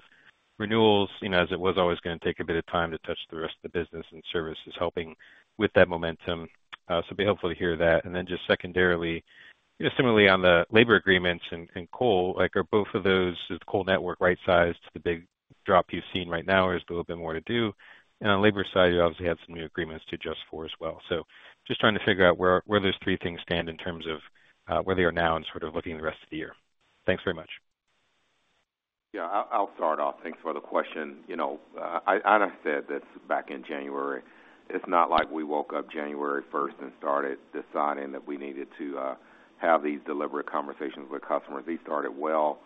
renewals, as it was always going to take a bit of time to touch the rest of the business and services helping with that momentum. So it'd be helpful to hear that. And then just secondarily, similarly on the labor agreements and coal, are both of those is the coal network right-sized to the big drop you've seen right now? Or is there a little bit more to do? And on the labor side, you obviously have some new agreements to adjust for as well. Just trying to figure out where those three things stand in terms of where they are now and sort of looking at the rest of the year. Thanks very much. Yeah. I'll start off. Thanks for the question. I know I said this back in January. It's not like we woke up January 1st and started deciding that we needed to have these deliberate conversations with customers. These started well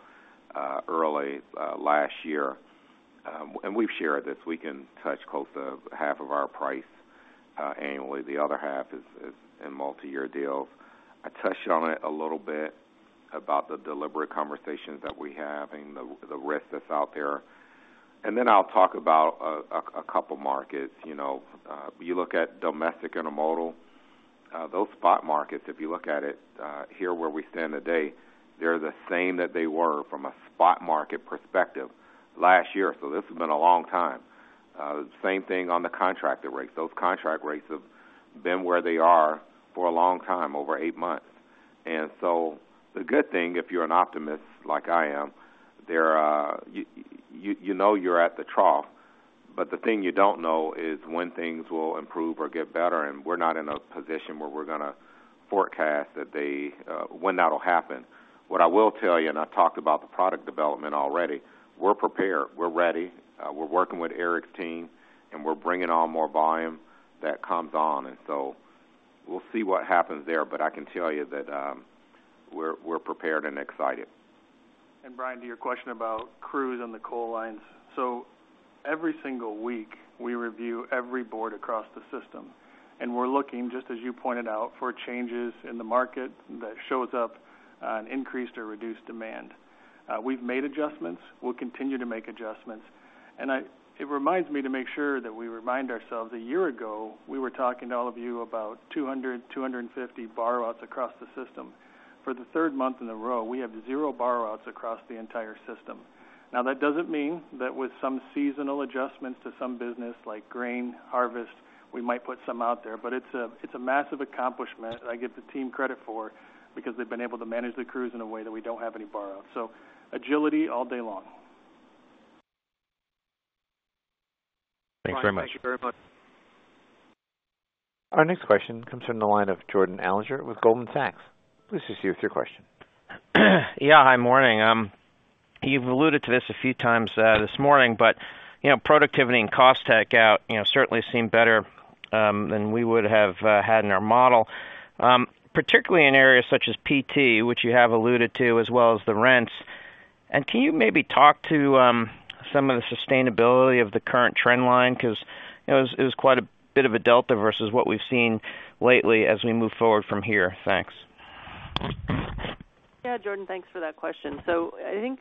early last year. We've shared this. We can touch close to half of our price annually. The other half is in multi-year deals. I touched on it a little bit about the deliberate conversations that we're having, the risk that's out there. Then I'll talk about a couple of markets. You look at domestic intermodal, those spot markets, if you look at it here where we stand today, they're the same that they were from a spot market perspective last year. So this has been a long time. Same thing on the contracted rates. Those contract rates have been where they are for a long time, over eight months. And so the good thing, if you're an optimist like I am, you know you're at the trough. But the thing you don't know is when things will improve or get better. And we're not in a position where we're going to forecast that when that'll happen. What I will tell you, and I've talked about the product development already, we're prepared. We're ready. We're working with Eric's team, and we're bringing on more volume that comes on. And so we'll see what happens there. But I can tell you that we're prepared and excited. And Brian, to your question about crews on the coal lines. So every single week, we review every board across the system. And we're looking, just as you pointed out, for changes in the market that shows up an increased or reduced demand. We've made adjustments. We'll continue to make adjustments. And it reminds me to make sure that we remind ourselves a year ago, we were talking to all of you about 200, 250 borrow-outs across the system. For the third month in a row, we have 0 borrow-outs across the entire system. Now, that doesn't mean that with some seasonal adjustments to some business like grain harvest, we might put some out there. But it's a massive accomplishment I give the team credit for because they've been able to manage the crews in a way that we don't have any borrow-outs. So agility all day long. Thanks very much. Brian, thank you very much. Our next question comes from the line of Jordan Alliger with Goldman Sachs. Please proceed with your question. Yeah. Hi. Morning. You've alluded to this a few times this morning. But productivity and cost takeout certainly seem better than we would have had in our model, particularly in areas such as PT, which you have alluded to, as well as the rents. And can you maybe talk to some of the sustainability of the current trend line? Because it was quite a bit of a delta versus what we've seen lately as we move forward from here. Thanks. Yeah, Jordan. Thanks for that question. So I think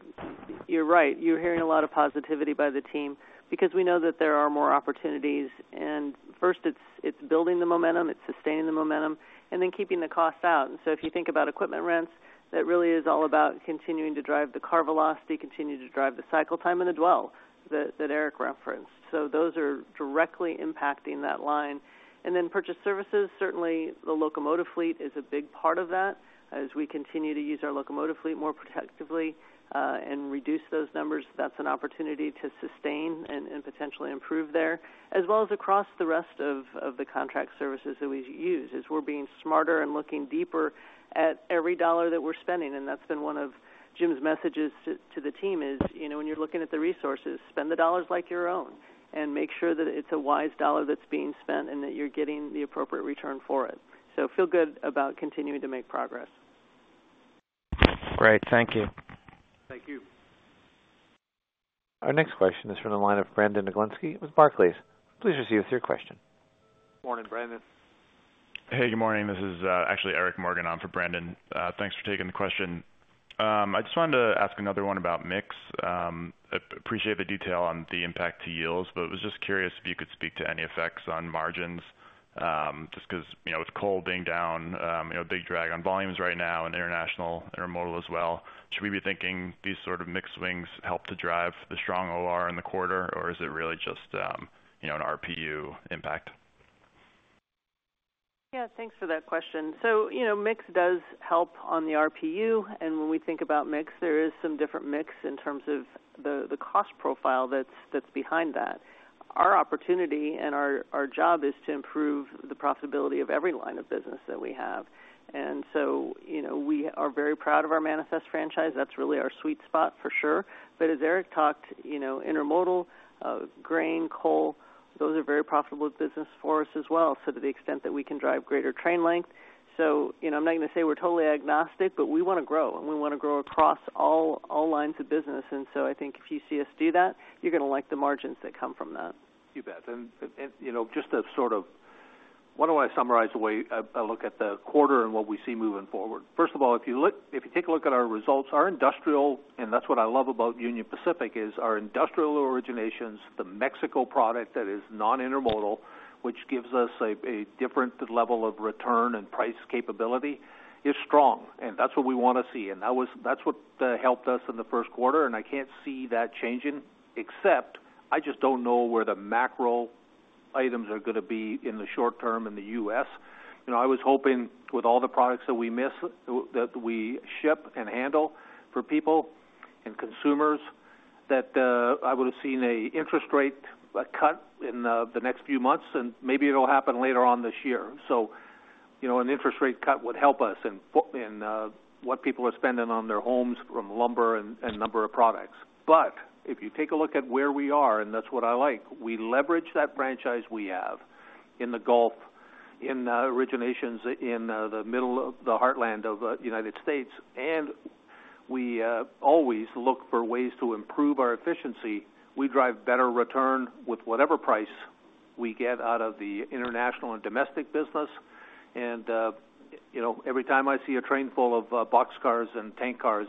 you're right. You're hearing a lot of positivity by the team because we know that there are more opportunities. And first, it's building the momentum. It's sustaining the momentum. And then keeping the cost out. And so if you think about equipment rents, that really is all about continuing to drive the car velocity, continuing to drive the cycle time in the dwell that Eric referenced. So those are directly impacting that line. And then purchase services, certainly the locomotive fleet is a big part of that. As we continue to use our locomotive fleet more productively and reduce those numbers, that's an opportunity to sustain and potentially improve there, as well as across the rest of the contract services that we use, as we're being smarter and looking deeper at every dollar that we're spending. That's been one of Jim's messages to the team, is when you're looking at the resources, spend the dollars like your own and make sure that it's a wise dollar that's being spent and that you're getting the appropriate return for it. Feel good about continuing to make progress. Great. Thank you. Thank you. Our next question is from the line of Brandon Oglenski with Barclays. Please proceed with your question. Morning, Brandon. Hey. Good morning. This is actually Eric Morgan. I'm for Brandon. Thanks for taking the question. I just wanted to ask another one about mix. I appreciate the detail on the impact to yields. But I was just curious if you could speak to any effects on margins, just because with coal being down, a big drag on volumes right now and international intermodal as well. Should we be thinking these sort of mixed swings help to drive the strong OR in the quarter? Or is it really just an RPU impact? Yeah. Thanks for that question. So mix does help on the RPU. And when we think about mix, there is some different mix in terms of the cost profile that's behind that. Our opportunity and our job is to improve the profitability of every line of business that we have. And so we are very proud of our Manifest franchise. That's really our sweet spot, for sure. But as Eric talked, intermodal, grain, coal, those are very profitable businesses for us as well, so to the extent that we can drive greater train length. So I'm not going to say we're totally agnostic, but we want to grow. And we want to grow across all lines of business. And so I think if you see us do that, you're going to like the margins that come from that. You bet. And just to sort of why don't I summarize the way I look at the quarter and what we see moving forward? First of all, if you take a look at our results, our industrial, and that's what I love about Union Pacific, is our industrial originations, the Mexico product that is non-intermodal, which gives us a different level of return and price capability, is strong. And that's what we want to see. And that's what helped us in the first quarter. And I can't see that changing except I just don't know where the macro items are going to be in the short term in the U.S. I was hoping with all the products that we ship and handle for people and consumers that I would have seen an interest rate cut in the next few months. And maybe it'll happen later on this year. So an interest rate cut would help us in what people are spending on their homes from lumber and a number of products. But if you take a look at where we are, and that's what I like, we leverage that franchise we have in the Gulf, in the originations in the middle of the heartland of the United States. And we always look for ways to improve our efficiency. We drive better return with whatever price we get out of the international and domestic business. And every time I see a train full of boxcars and tank cars,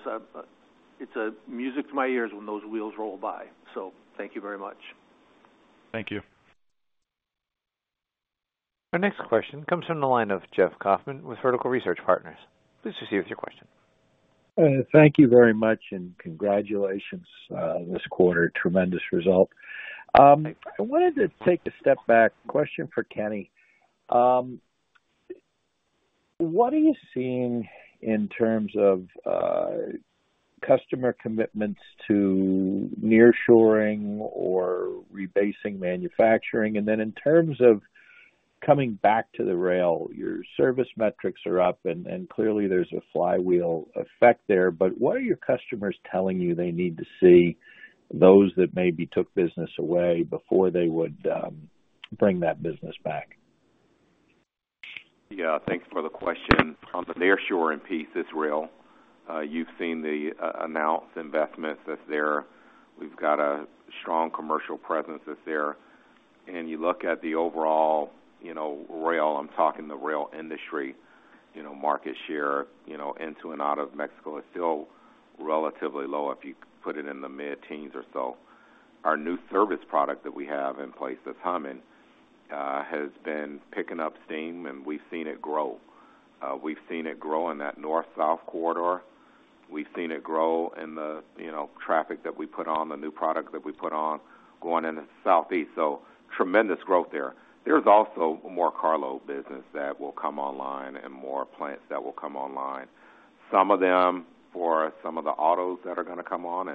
it's music to my ears when those wheels roll by. So thank you very much. Thank you. Our next question comes from the line of Jeffrey Kauffman with Vertical Research Partners. Please proceed with your question. Thank you very much. Congratulations this quarter. Tremendous result. I wanted to take a step back. Question for Kenny. What are you seeing in terms of customer commitments to nearshoring or rebasing manufacturing? And then in terms of coming back to the rail, your service metrics are up. And clearly, there's a flywheel effect there. But what are your customers telling you they need to see, those that maybe took business away, before they would bring that business back? Yeah. Thanks for the question. On the nearshoring piece, it's real. You've seen the announced investments that's there. We've got a strong commercial presence that's there. And you look at the overall rail, I'm talking the rail industry, market share into and out of Mexico is still relatively low, if you put it in the mid-teens or so. Our new service product that we have in place at Hummin has been picking up steam. And we've seen it grow. We've seen it grow in that north-south corridor. We've seen it grow in the traffic that we put on, the new product that we put on, going into the Southeast. So tremendous growth there. There's also more carload business that will come online and more plants that will come online, some of them for some of the autos that are going to come on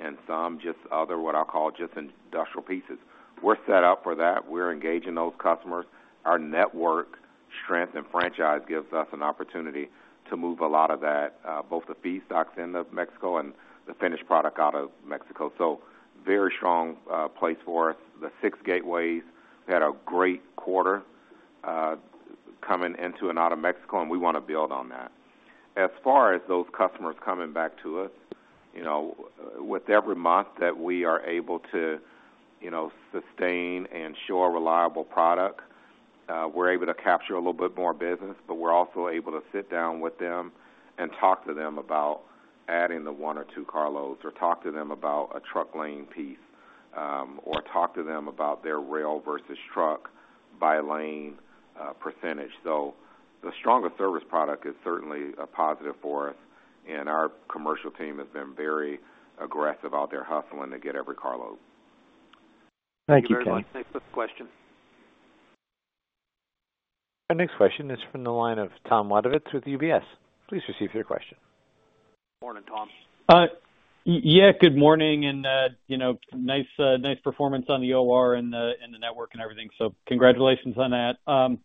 and some, what I'll call, just industrial pieces. We're set up for that. We're engaging those customers. Our network strength and franchise gives us an opportunity to move a lot of that, both the feedstocks into Mexico and the finished product out of Mexico. So very strong place for us. The six gateways. We had a great quarter coming into and out of Mexico. And we want to build on that. As far as those customers coming back to us, with every month that we are able to sustain and show reliable product, we're able to capture a little bit more business. But we're also able to sit down with them and talk to them about adding the 1 or 2 carloads or talk to them about a truck lane piece or talk to them about their rail versus truck by lane percentage. So the stronger service product is certainly a positive for us. And our commercial team has been very aggressive out there hustling to get every carload. Thank you, Kenny. Thanks for the question. Our next question is from the line of Thomas Wadewitz with UBS. Please proceed with your question. Morning, Tom. Yeah. Good morning. And nice performance on the OR and the network and everything. So congratulations on that. I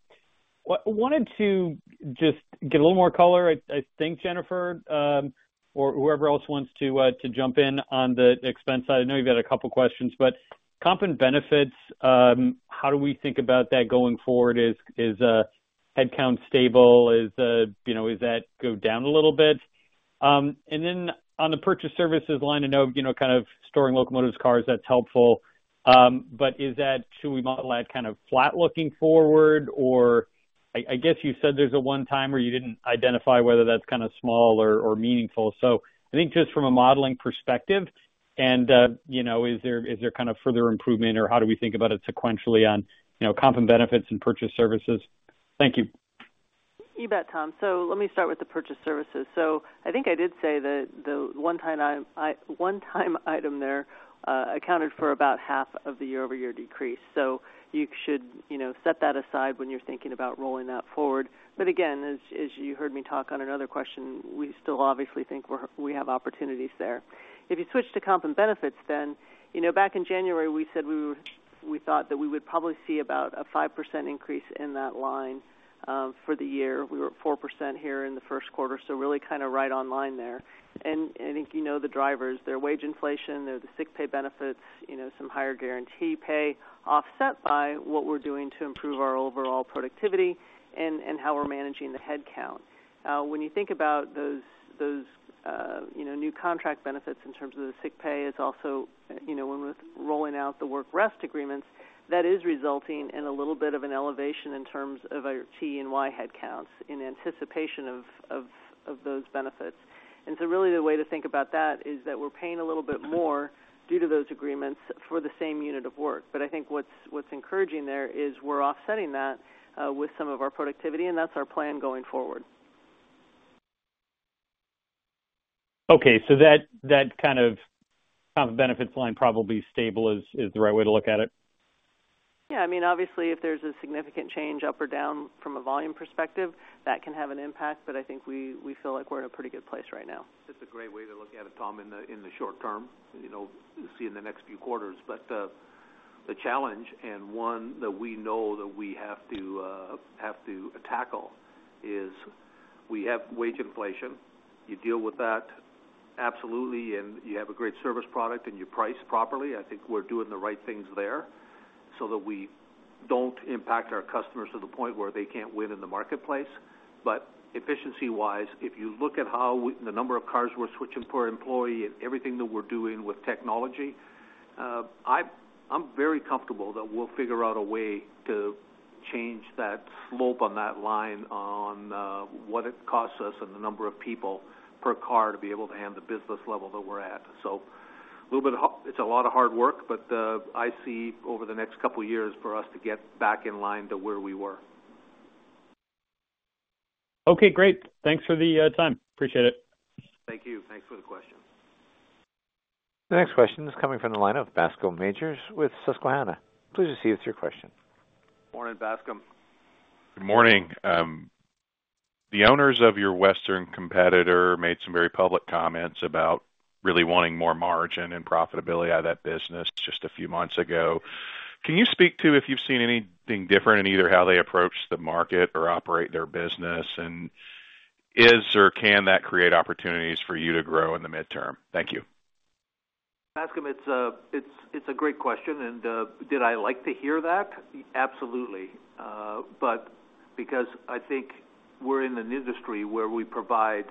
wanted to just get a little more color, I think, Jennifer or whoever else wants to jump in on the expense side. I know you've had a couple of questions. But comp and benefits, how do we think about that going forward? Is headcount stable? Is that go down a little bit? And then on the purchase services line of note, kind of storing locomotives' cars, that's helpful. But should we model that kind of flat-looking forward? Or I guess you said there's a one-time where you didn't identify whether that's kind of small or meaningful. So I think just from a modeling perspective, and is there kind of further improvement? Or how do we think about it sequentially on comp and benefits and purchase services? Thank you. You bet, Tom. So let me start with the purchased services. So I think I did say that the one-time item there accounted for about half of the year-over-year decrease. So you should set that aside when you're thinking about rolling that forward. But again, as you heard me talk on another question, we still obviously think we have opportunities there. If you switch to comp and benefits, then back in January, we said we thought that we would probably see about a 5% increase in that line for the year. We were at 4% here in the first quarter. So really kind of right on line there. And I think you know the drivers. There are wage inflation. There are the sick pay benefits, some higher guarantee pay offset by what we're doing to improve our overall productivity and how we're managing the headcount. When you think about those new contract benefits in terms of the sick pay, it's also when we're rolling out the work-rest agreements, that is resulting in a little bit of an elevation in terms of our T and Y headcounts in anticipation of those benefits. So really, the way to think about that is that we're paying a little bit more due to those agreements for the same unit of work. But I think what's encouraging there is we're offsetting that with some of our productivity. That's our plan going forward. Okay. So that kind of comp and benefits line probably stable is the right way to look at it? Yeah. I mean, obviously, if there's a significant change up or down from a volume perspective, that can have an impact. But I think we feel like we're in a pretty good place right now. It's a great way to look at it, Tom, in the short term, see in the next few quarters. But the challenge, and one that we know that we have to tackle, is we have wage inflation. You deal with that absolutely. And you have a great service product. And you price properly. I think we're doing the right things there so that we don't impact our customers to the point where they can't win in the marketplace. But efficiency-wise, if you look at the number of cars we're switching per employee and everything that we're doing with technology, I'm very comfortable that we'll figure out a way to change that slope on that line on what it costs us and the number of people per car to be able to handle the business level that we're at. So it's a lot of hard work. But I see over the next couple of years for us to get back in line to where we were. Okay. Great. Thanks for the time. Appreciate it. Thank you. Thanks for the question. The next question is coming from the line of Bascom Majors with Susquehanna. Please proceed with your question. Morning, Bascom. Good morning. The owners of your Western competitor made some very public comments about really wanting more margin and profitability out of that business just a few months ago. Can you speak to if you've seen anything different in either how they approach the market or operate their business? And is or can that create opportunities for you to grow in the midterm? Thank you. Bascom, it's a great question. And did I like to hear that? Absolutely. But because I think we're in an industry where we provide,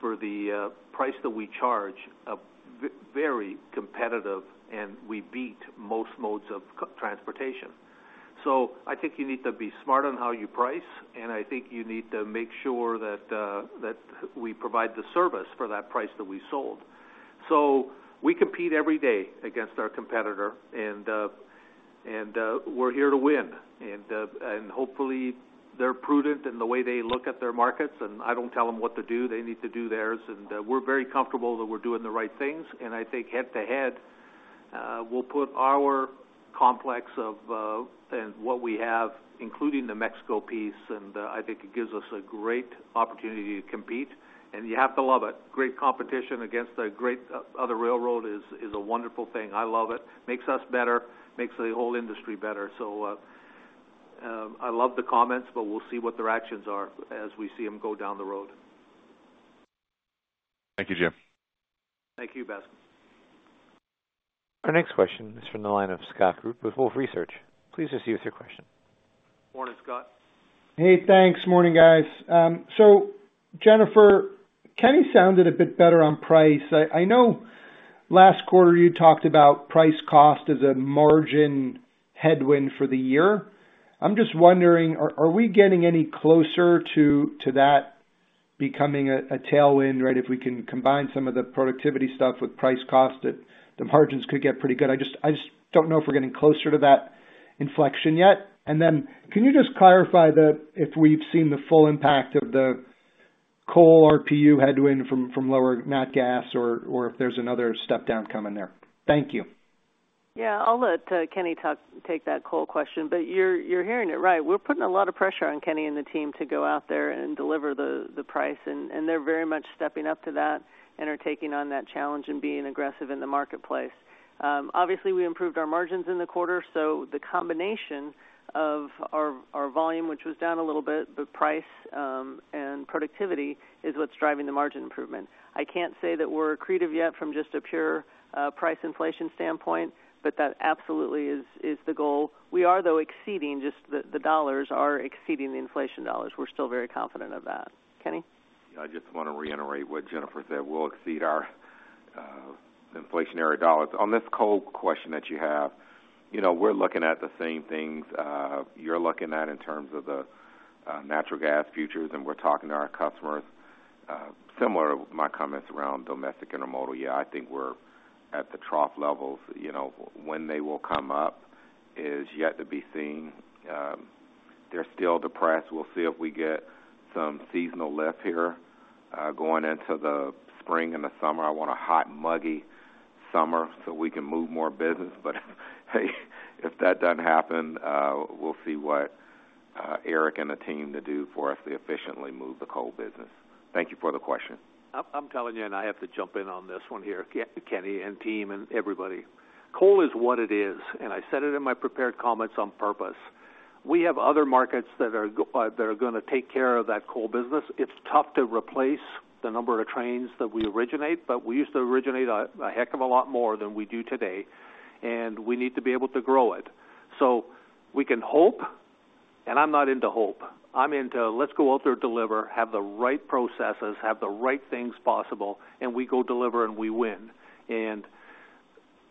for the price that we charge, a very competitive and we beat most modes of transportation. So I think you need to be smart on how you price. And I think you need to make sure that we provide the service for that price that we sold. So we compete every day against our competitor. And we're here to win. And hopefully, they're prudent in the way they look at their markets. And I don't tell them what to do. They need to do theirs. And we're very comfortable that we're doing the right things. And I think head-to-head, we'll put our complex and what we have, including the Mexico piece. And I think it gives us a great opportunity to compete. You have to love it. Great competition against the great other railroad is a wonderful thing. I love it. Makes us better. Makes the whole industry better. So I love the comments. But we'll see what their actions are as we see them go down the road. Thank you, Jim. Thank you, Bascom. Our next question is from the line of Scott Group with Wolfe Research. Please proceed with your question. Morning, Scott. Hey. Thanks. Morning, guys. So Jennifer, Kenny sounded a bit better on price. I know last quarter, you talked about price-cost as a margin headwind for the year. I'm just wondering, are we getting any closer to that becoming a tailwind, right, if we can combine some of the productivity stuff with price-cost, that the margins could get pretty good? I just don't know if we're getting closer to that inflection yet. Then can you just clarify if we've seen the full impact of the coal RPU headwind from lower nat gas or if there's another step-down coming there? Thank you. Yeah. I'll let Kenny take that coal question. But you're hearing it right. We're putting a lot of pressure on Kenny and the team to go out there and deliver the price. They're very much stepping up to that and are taking on that challenge and being aggressive in the marketplace. Obviously, we improved our margins in the quarter. The combination of our volume, which was down a little bit, but price and productivity is what's driving the margin improvement. I can't say that we're creative yet from just a pure price inflation standpoint. But that absolutely is the goal. We are, though, exceeding just the dollars are exceeding the inflation dollars. We're still very confident of that. Kenny? I just want to reiterate what Jennifer said. We'll exceed our inflationary dollars. On this coal question that you have, we're looking at the same things you're looking at in terms of the natural gas futures. We're talking to our customers. Similar to my comments around domestic and remote, yeah, I think we're at the trough levels. When they will come up is yet to be seen. They're still depressed. We'll see if we get some seasonal lift here going into the spring and the summer. I want a hot, muggy summer so we can move more business. But hey, if that doesn't happen, we'll see what Eric and the team to do for us to efficiently move the coal business. Thank you for the question. I'm telling you, and I have to jump in on this one here, Kenny and team and everybody. Coal is what it is. And I said it in my prepared comments on purpose. We have other markets that are going to take care of that coal business. It's tough to replace the number of trains that we originate. But we used to originate a heck of a lot more than we do today. And we need to be able to grow it. So we can hope. And I'm not into hope. I'm into, "Let's go out there, deliver, have the right processes, have the right things possible. And we go deliver. And we win." And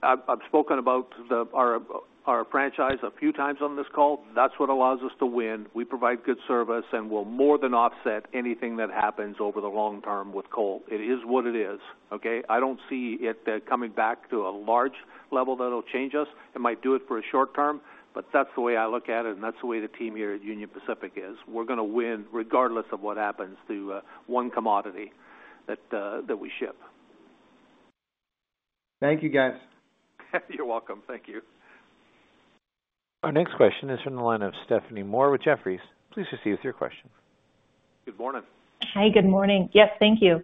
I've spoken about our franchise a few times on this call. That's what allows us to win. We provide good service. And we'll more than offset anything that happens over the long term with coal. It is what it is. Okay? I don't see it coming back to a large level that'll change us. It might do it for a short term. That's the way I look at it. That's the way the team here at Union Pacific is. We're going to win regardless of what happens to one commodity that we ship. Thank you, guys. You're welcome. Thank you. Our next question is from the line of Stephanie Moore with Jefferies. Please proceed with your question. Good morning. Hi. Good morning. Yes. Thank you.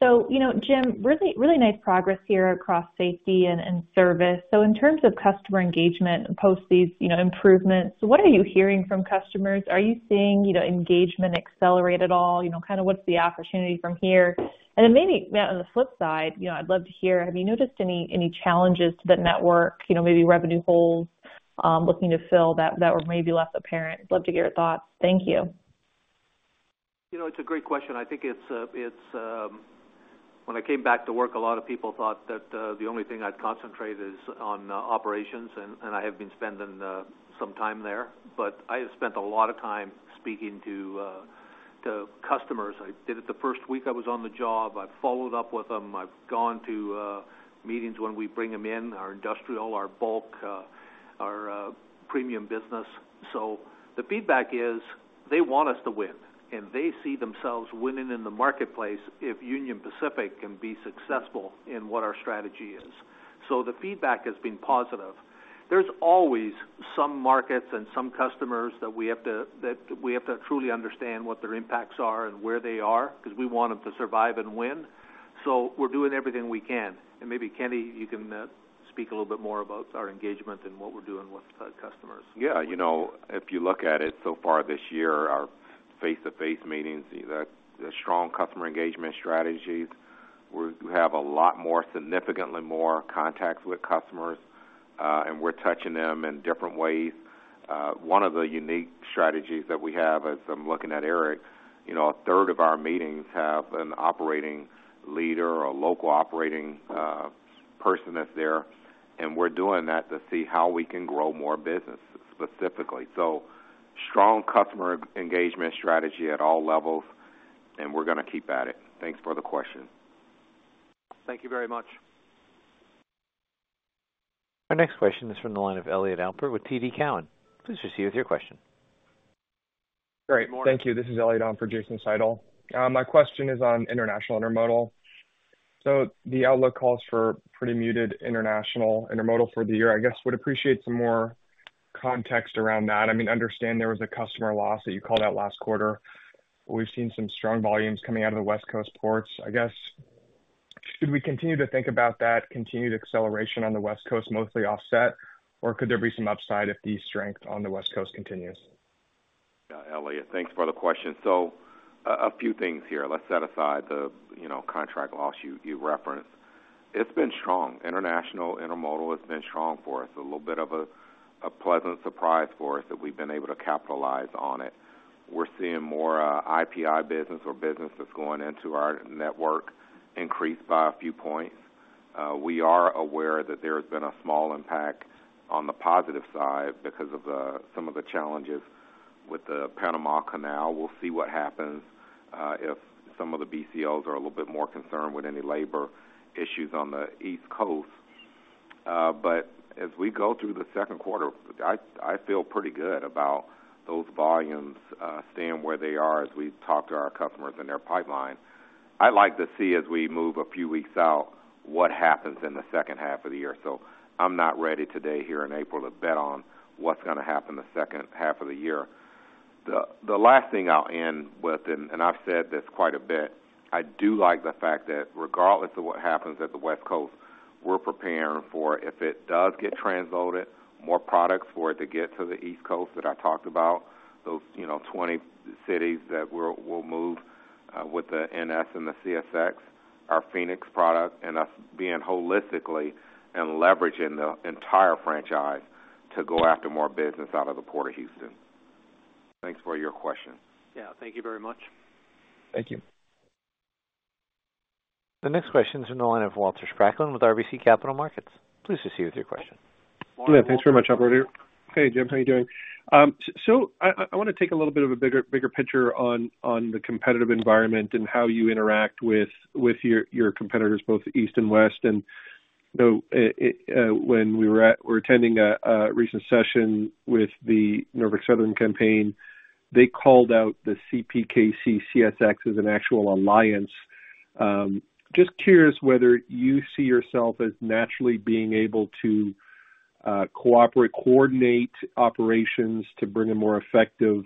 So Jim, really nice progress here across safety and service. So in terms of customer engagement post these improvements, what are you hearing from customers? Are you seeing engagement accelerate at all? Kind of what's the opportunity from here? And then maybe on the flip side, I'd love to hear, have you noticed any challenges to the network, maybe revenue holes looking to fill that were maybe less apparent? Love to get your thoughts. Thank you. It's a great question. I think it's when I came back to work, a lot of people thought that the only thing I'd concentrate is on operations. I have been spending some time there. I have spent a lot of time speaking to customers. I did it the first week I was on the job. I've followed up with them. I've gone to meetings when we bring them in, our Industrial, our Bulk, our Premium business. The feedback is they want us to win. They see themselves winning in the marketplace if Union Pacific can be successful in what our strategy is. The feedback has been positive. There's always some markets and some customers that we have to truly understand what their impacts are and where they are because we want them to survive and win. We're doing everything we can. Maybe, Kenny, you can speak a little bit more about our engagement and what we're doing with customers. Yeah. If you look at it, so far this year, our face-to-face meetings, the strong customer engagement strategies, we have a lot more, significantly more contacts with customers. We're touching them in different ways. One of the unique strategies that we have, as I'm looking at Eric, a third of our meetings have an operating leader or local operating person that's there. We're doing that to see how we can grow more business specifically. Strong customer engagement strategy at all levels. We're going to keep at it. Thanks for the question. Thank you very much. Our next question is from the line of Elliot Alper with TD Cowen. Please proceed with your question. Great. Thank you. This is Elliot Alper, Jason Seidel. My question is on international intermodal. So the outlook calls for pretty muted international intermodal for the year. I guess would appreciate some more context around that. I mean, understand there was a customer loss that you called out last quarter. We've seen some strong volumes coming out of the West Coast ports. I guess should we continue to think about that continued acceleration on the West Coast mostly offset? Or could there be some upside if the strength on the West Coast continues? Elliot, thanks for the question. So a few things here. Let's set aside the contract loss you referenced. It's been strong. International intermodal has been strong for us. A little bit of a pleasant surprise for us that we've been able to capitalize on it. We're seeing more IPI business or business that's going into our network increase by a few points. We are aware that there has been a small impact on the positive side because of some of the challenges with the Panama Canal. We'll see what happens if some of the BCOs are a little bit more concerned with any labor issues on the East Coast. But as we go through the second quarter, I feel pretty good about those volumes staying where they are as we talk to our customers and their pipeline. I'd like to see, as we move a few weeks out, what happens in the second half of the year. So I'm not ready today here in April to bet on what's going to happen the second half of the year. The last thing I'll end with, and I've said this quite a bit, I do like the fact that regardless of what happens at the West Coast, we're preparing for, if it does get transloaded, more products for it to get to the East Coast that I talked about, those 20 cities that we'll move with the NS and the CSX, our Phoenix product, and us being holistically and leveraging the entire franchise to go after more business out of the Port of Houston. Thanks for your question. Yeah. Thank you very much. Thank you. The next question is from the line of Walter Spracklin with RBC Capital Markets. Please proceed with your question. Good. Thanks very much, Alberto. Hey, Jim. How are you doing? So I want to take a little bit of a bigger picture on the competitive environment and how you interact with your competitors, both East and West. And when we were attending a recent session with the Norfolk Southern campaign, they called out the CPKC CSX as an actual alliance. Just curious whether you see yourself as naturally being able to cooperate, coordinate operations to bring a more effective,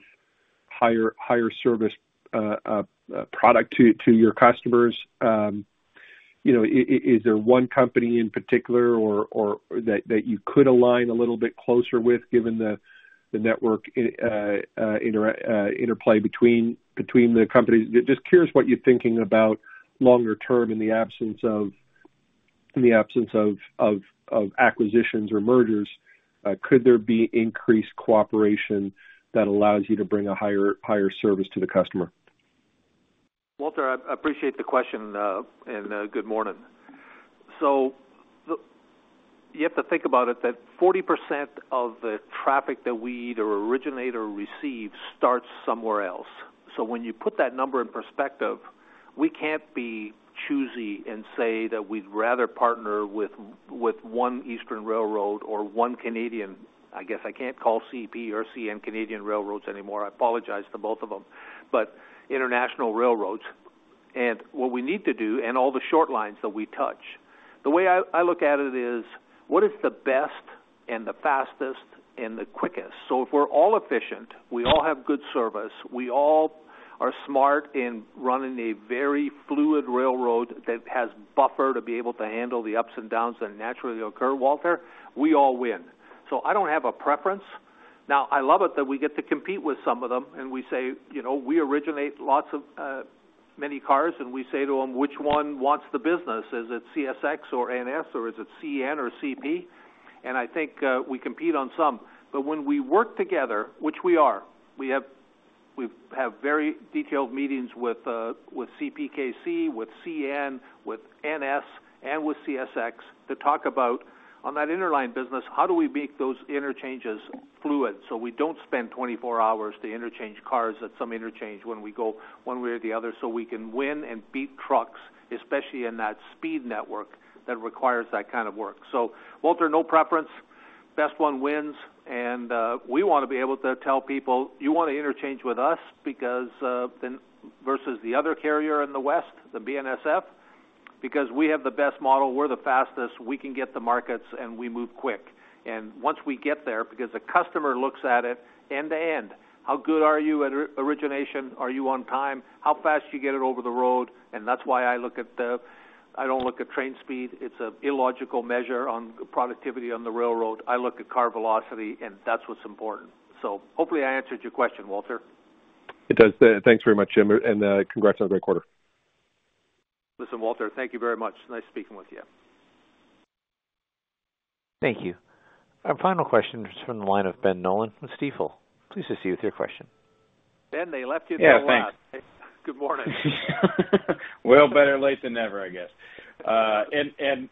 higher-service product to your customers. Is there one company in particular that you could align a little bit closer with given the network interplay between the companies? Just curious what you're thinking about longer term in the absence of acquisitions or mergers? Could there be increased cooperation that allows you to bring a higher service to the customer? Walter, I appreciate the question. Good morning. So you have to think about it that 40% of the traffic that we either originate or receive starts somewhere else. So when you put that number in perspective, we can't be choosy and say that we'd rather partner with one eastern railroad or one Canadian. I guess I can't call CP or CN Canadian Railroads anymore. I apologize to both of them. But international railroads and what we need to do and all the short lines that we touch, the way I look at it is, what is the best and the fastest and the quickest? So if we're all efficient, we all have good service, we all are smart in running a very fluid railroad that has buffer to be able to handle the ups and downs that naturally occur, Walter, we all win. So I don't have a preference. Now, I love it that we get to compete with some of them. And we say, "We originate many cars." And we say to them, "Which one wants the business? Is it CSX or NS? Or is it CN or CP?" And I think we compete on some. But when we work together, which we are, we have very detailed meetings with CPKC, with CN, with NS, and with CSX to talk about, on that interline business, how do we make those interchanges fluid so we don't spend 24 hours to interchange cars at some interchange when we go one way or the other so we can win and beat trucks, especially in that speed network that requires that kind of work. So Walter, no preference. Best one wins. And we want to be able to tell people, "You want to interchange with us versus the other carrier in the West, the BNSF? Because we have the best model. We're the fastest. We can get the markets. And we move quick." And once we get there, because a customer looks at it end to end, how good are you at origination? Are you on time? How fast do you get it over the road? And that's why I look at the, I don't look at train speed. It's an illogical measure on productivity on the railroad. I look at car velocity. And that's what's important. So hopefully, I answered your question, Walter. It does. Thanks very much, Jim. Congrats on a great quarter. Listen, Walter, thank you very much. Nice speaking with you. Thank you. Our final question is from the line of Ben Nolan with Stifel. Please proceed with your question. Ben, they left you there a lot. Yeah. Thanks. Good morning. Well, better late than never, I guess. And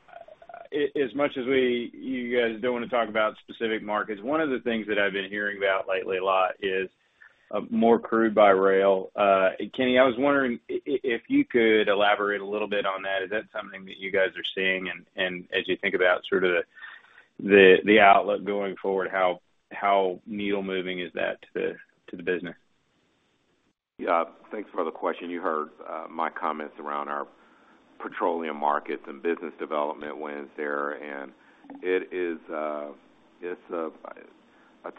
as much as you guys don't want to talk about specific markets, one of the things that I've been hearing about lately a lot is more crude by rail. Kenny, I was wondering if you could elaborate a little bit on that. Is that something that you guys are seeing? And as you think about sort of the outlook going forward, how needle-moving is that to the business? Yeah. Thanks for the question. You heard my comments around our petroleum markets and business development when it's there. And it is a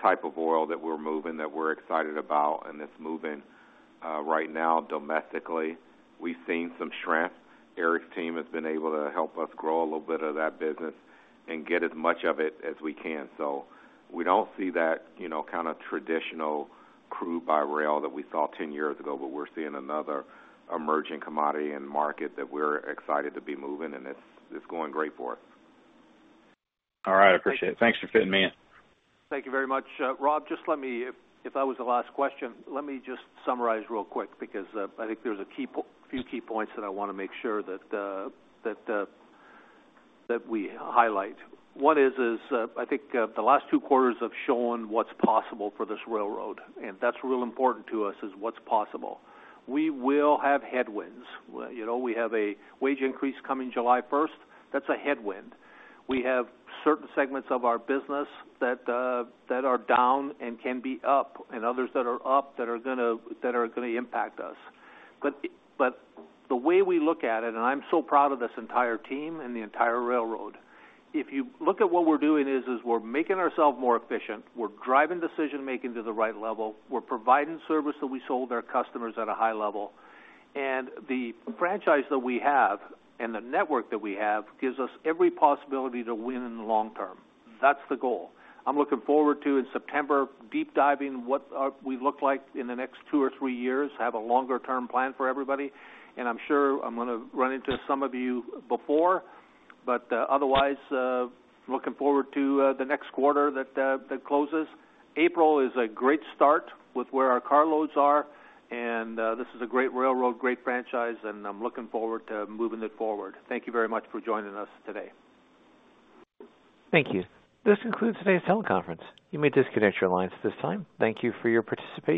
type of oil that we're moving that we're excited about. And it's moving right now domestically. We've seen some shrink. Eric's team has been able to help us grow a little bit of that business and get as much of it as we can. So we don't see that kind of traditional crude by rail that we saw 10 years ago. But we're seeing another emerging commodity and market that we're excited to be moving. And it's going great for us. All right. I appreciate it. Thanks for fitting me in. Thank you very much. Rob, just let me if that was the last question, let me just summarize real quick because I think there's a few key points that I want to make sure that we highlight. One is, I think the last two quarters have shown what's possible for this railroad. And that's real important to us is what's possible. We will have headwinds. We have a wage increase coming July 1st. That's a headwind. We have certain segments of our business that are down and can be up and others that are up that are going to impact us. But the way we look at it, and I'm so proud of this entire team and the entire railroad, if you look at what we're doing is we're making ourselves more efficient. We're driving decision-making to the right level. We're providing service that we sold our customers at a high level. And the franchise that we have and the network that we have gives us every possibility to win in the long term. That's the goal. I'm looking forward to, in September, deep-diving what we look like in the next two or three years, have a longer-term plan for everybody. And I'm sure I'm going to run into some of you before. But otherwise, I'm looking forward to the next quarter that closes. April is a great start with where our carloads are. And this is a great railroad, great franchise. And I'm looking forward to moving it forward. Thank you very much for joining us today. Thank you. This concludes today's teleconference. You may disconnect your lines at this time. Thank you for your participation.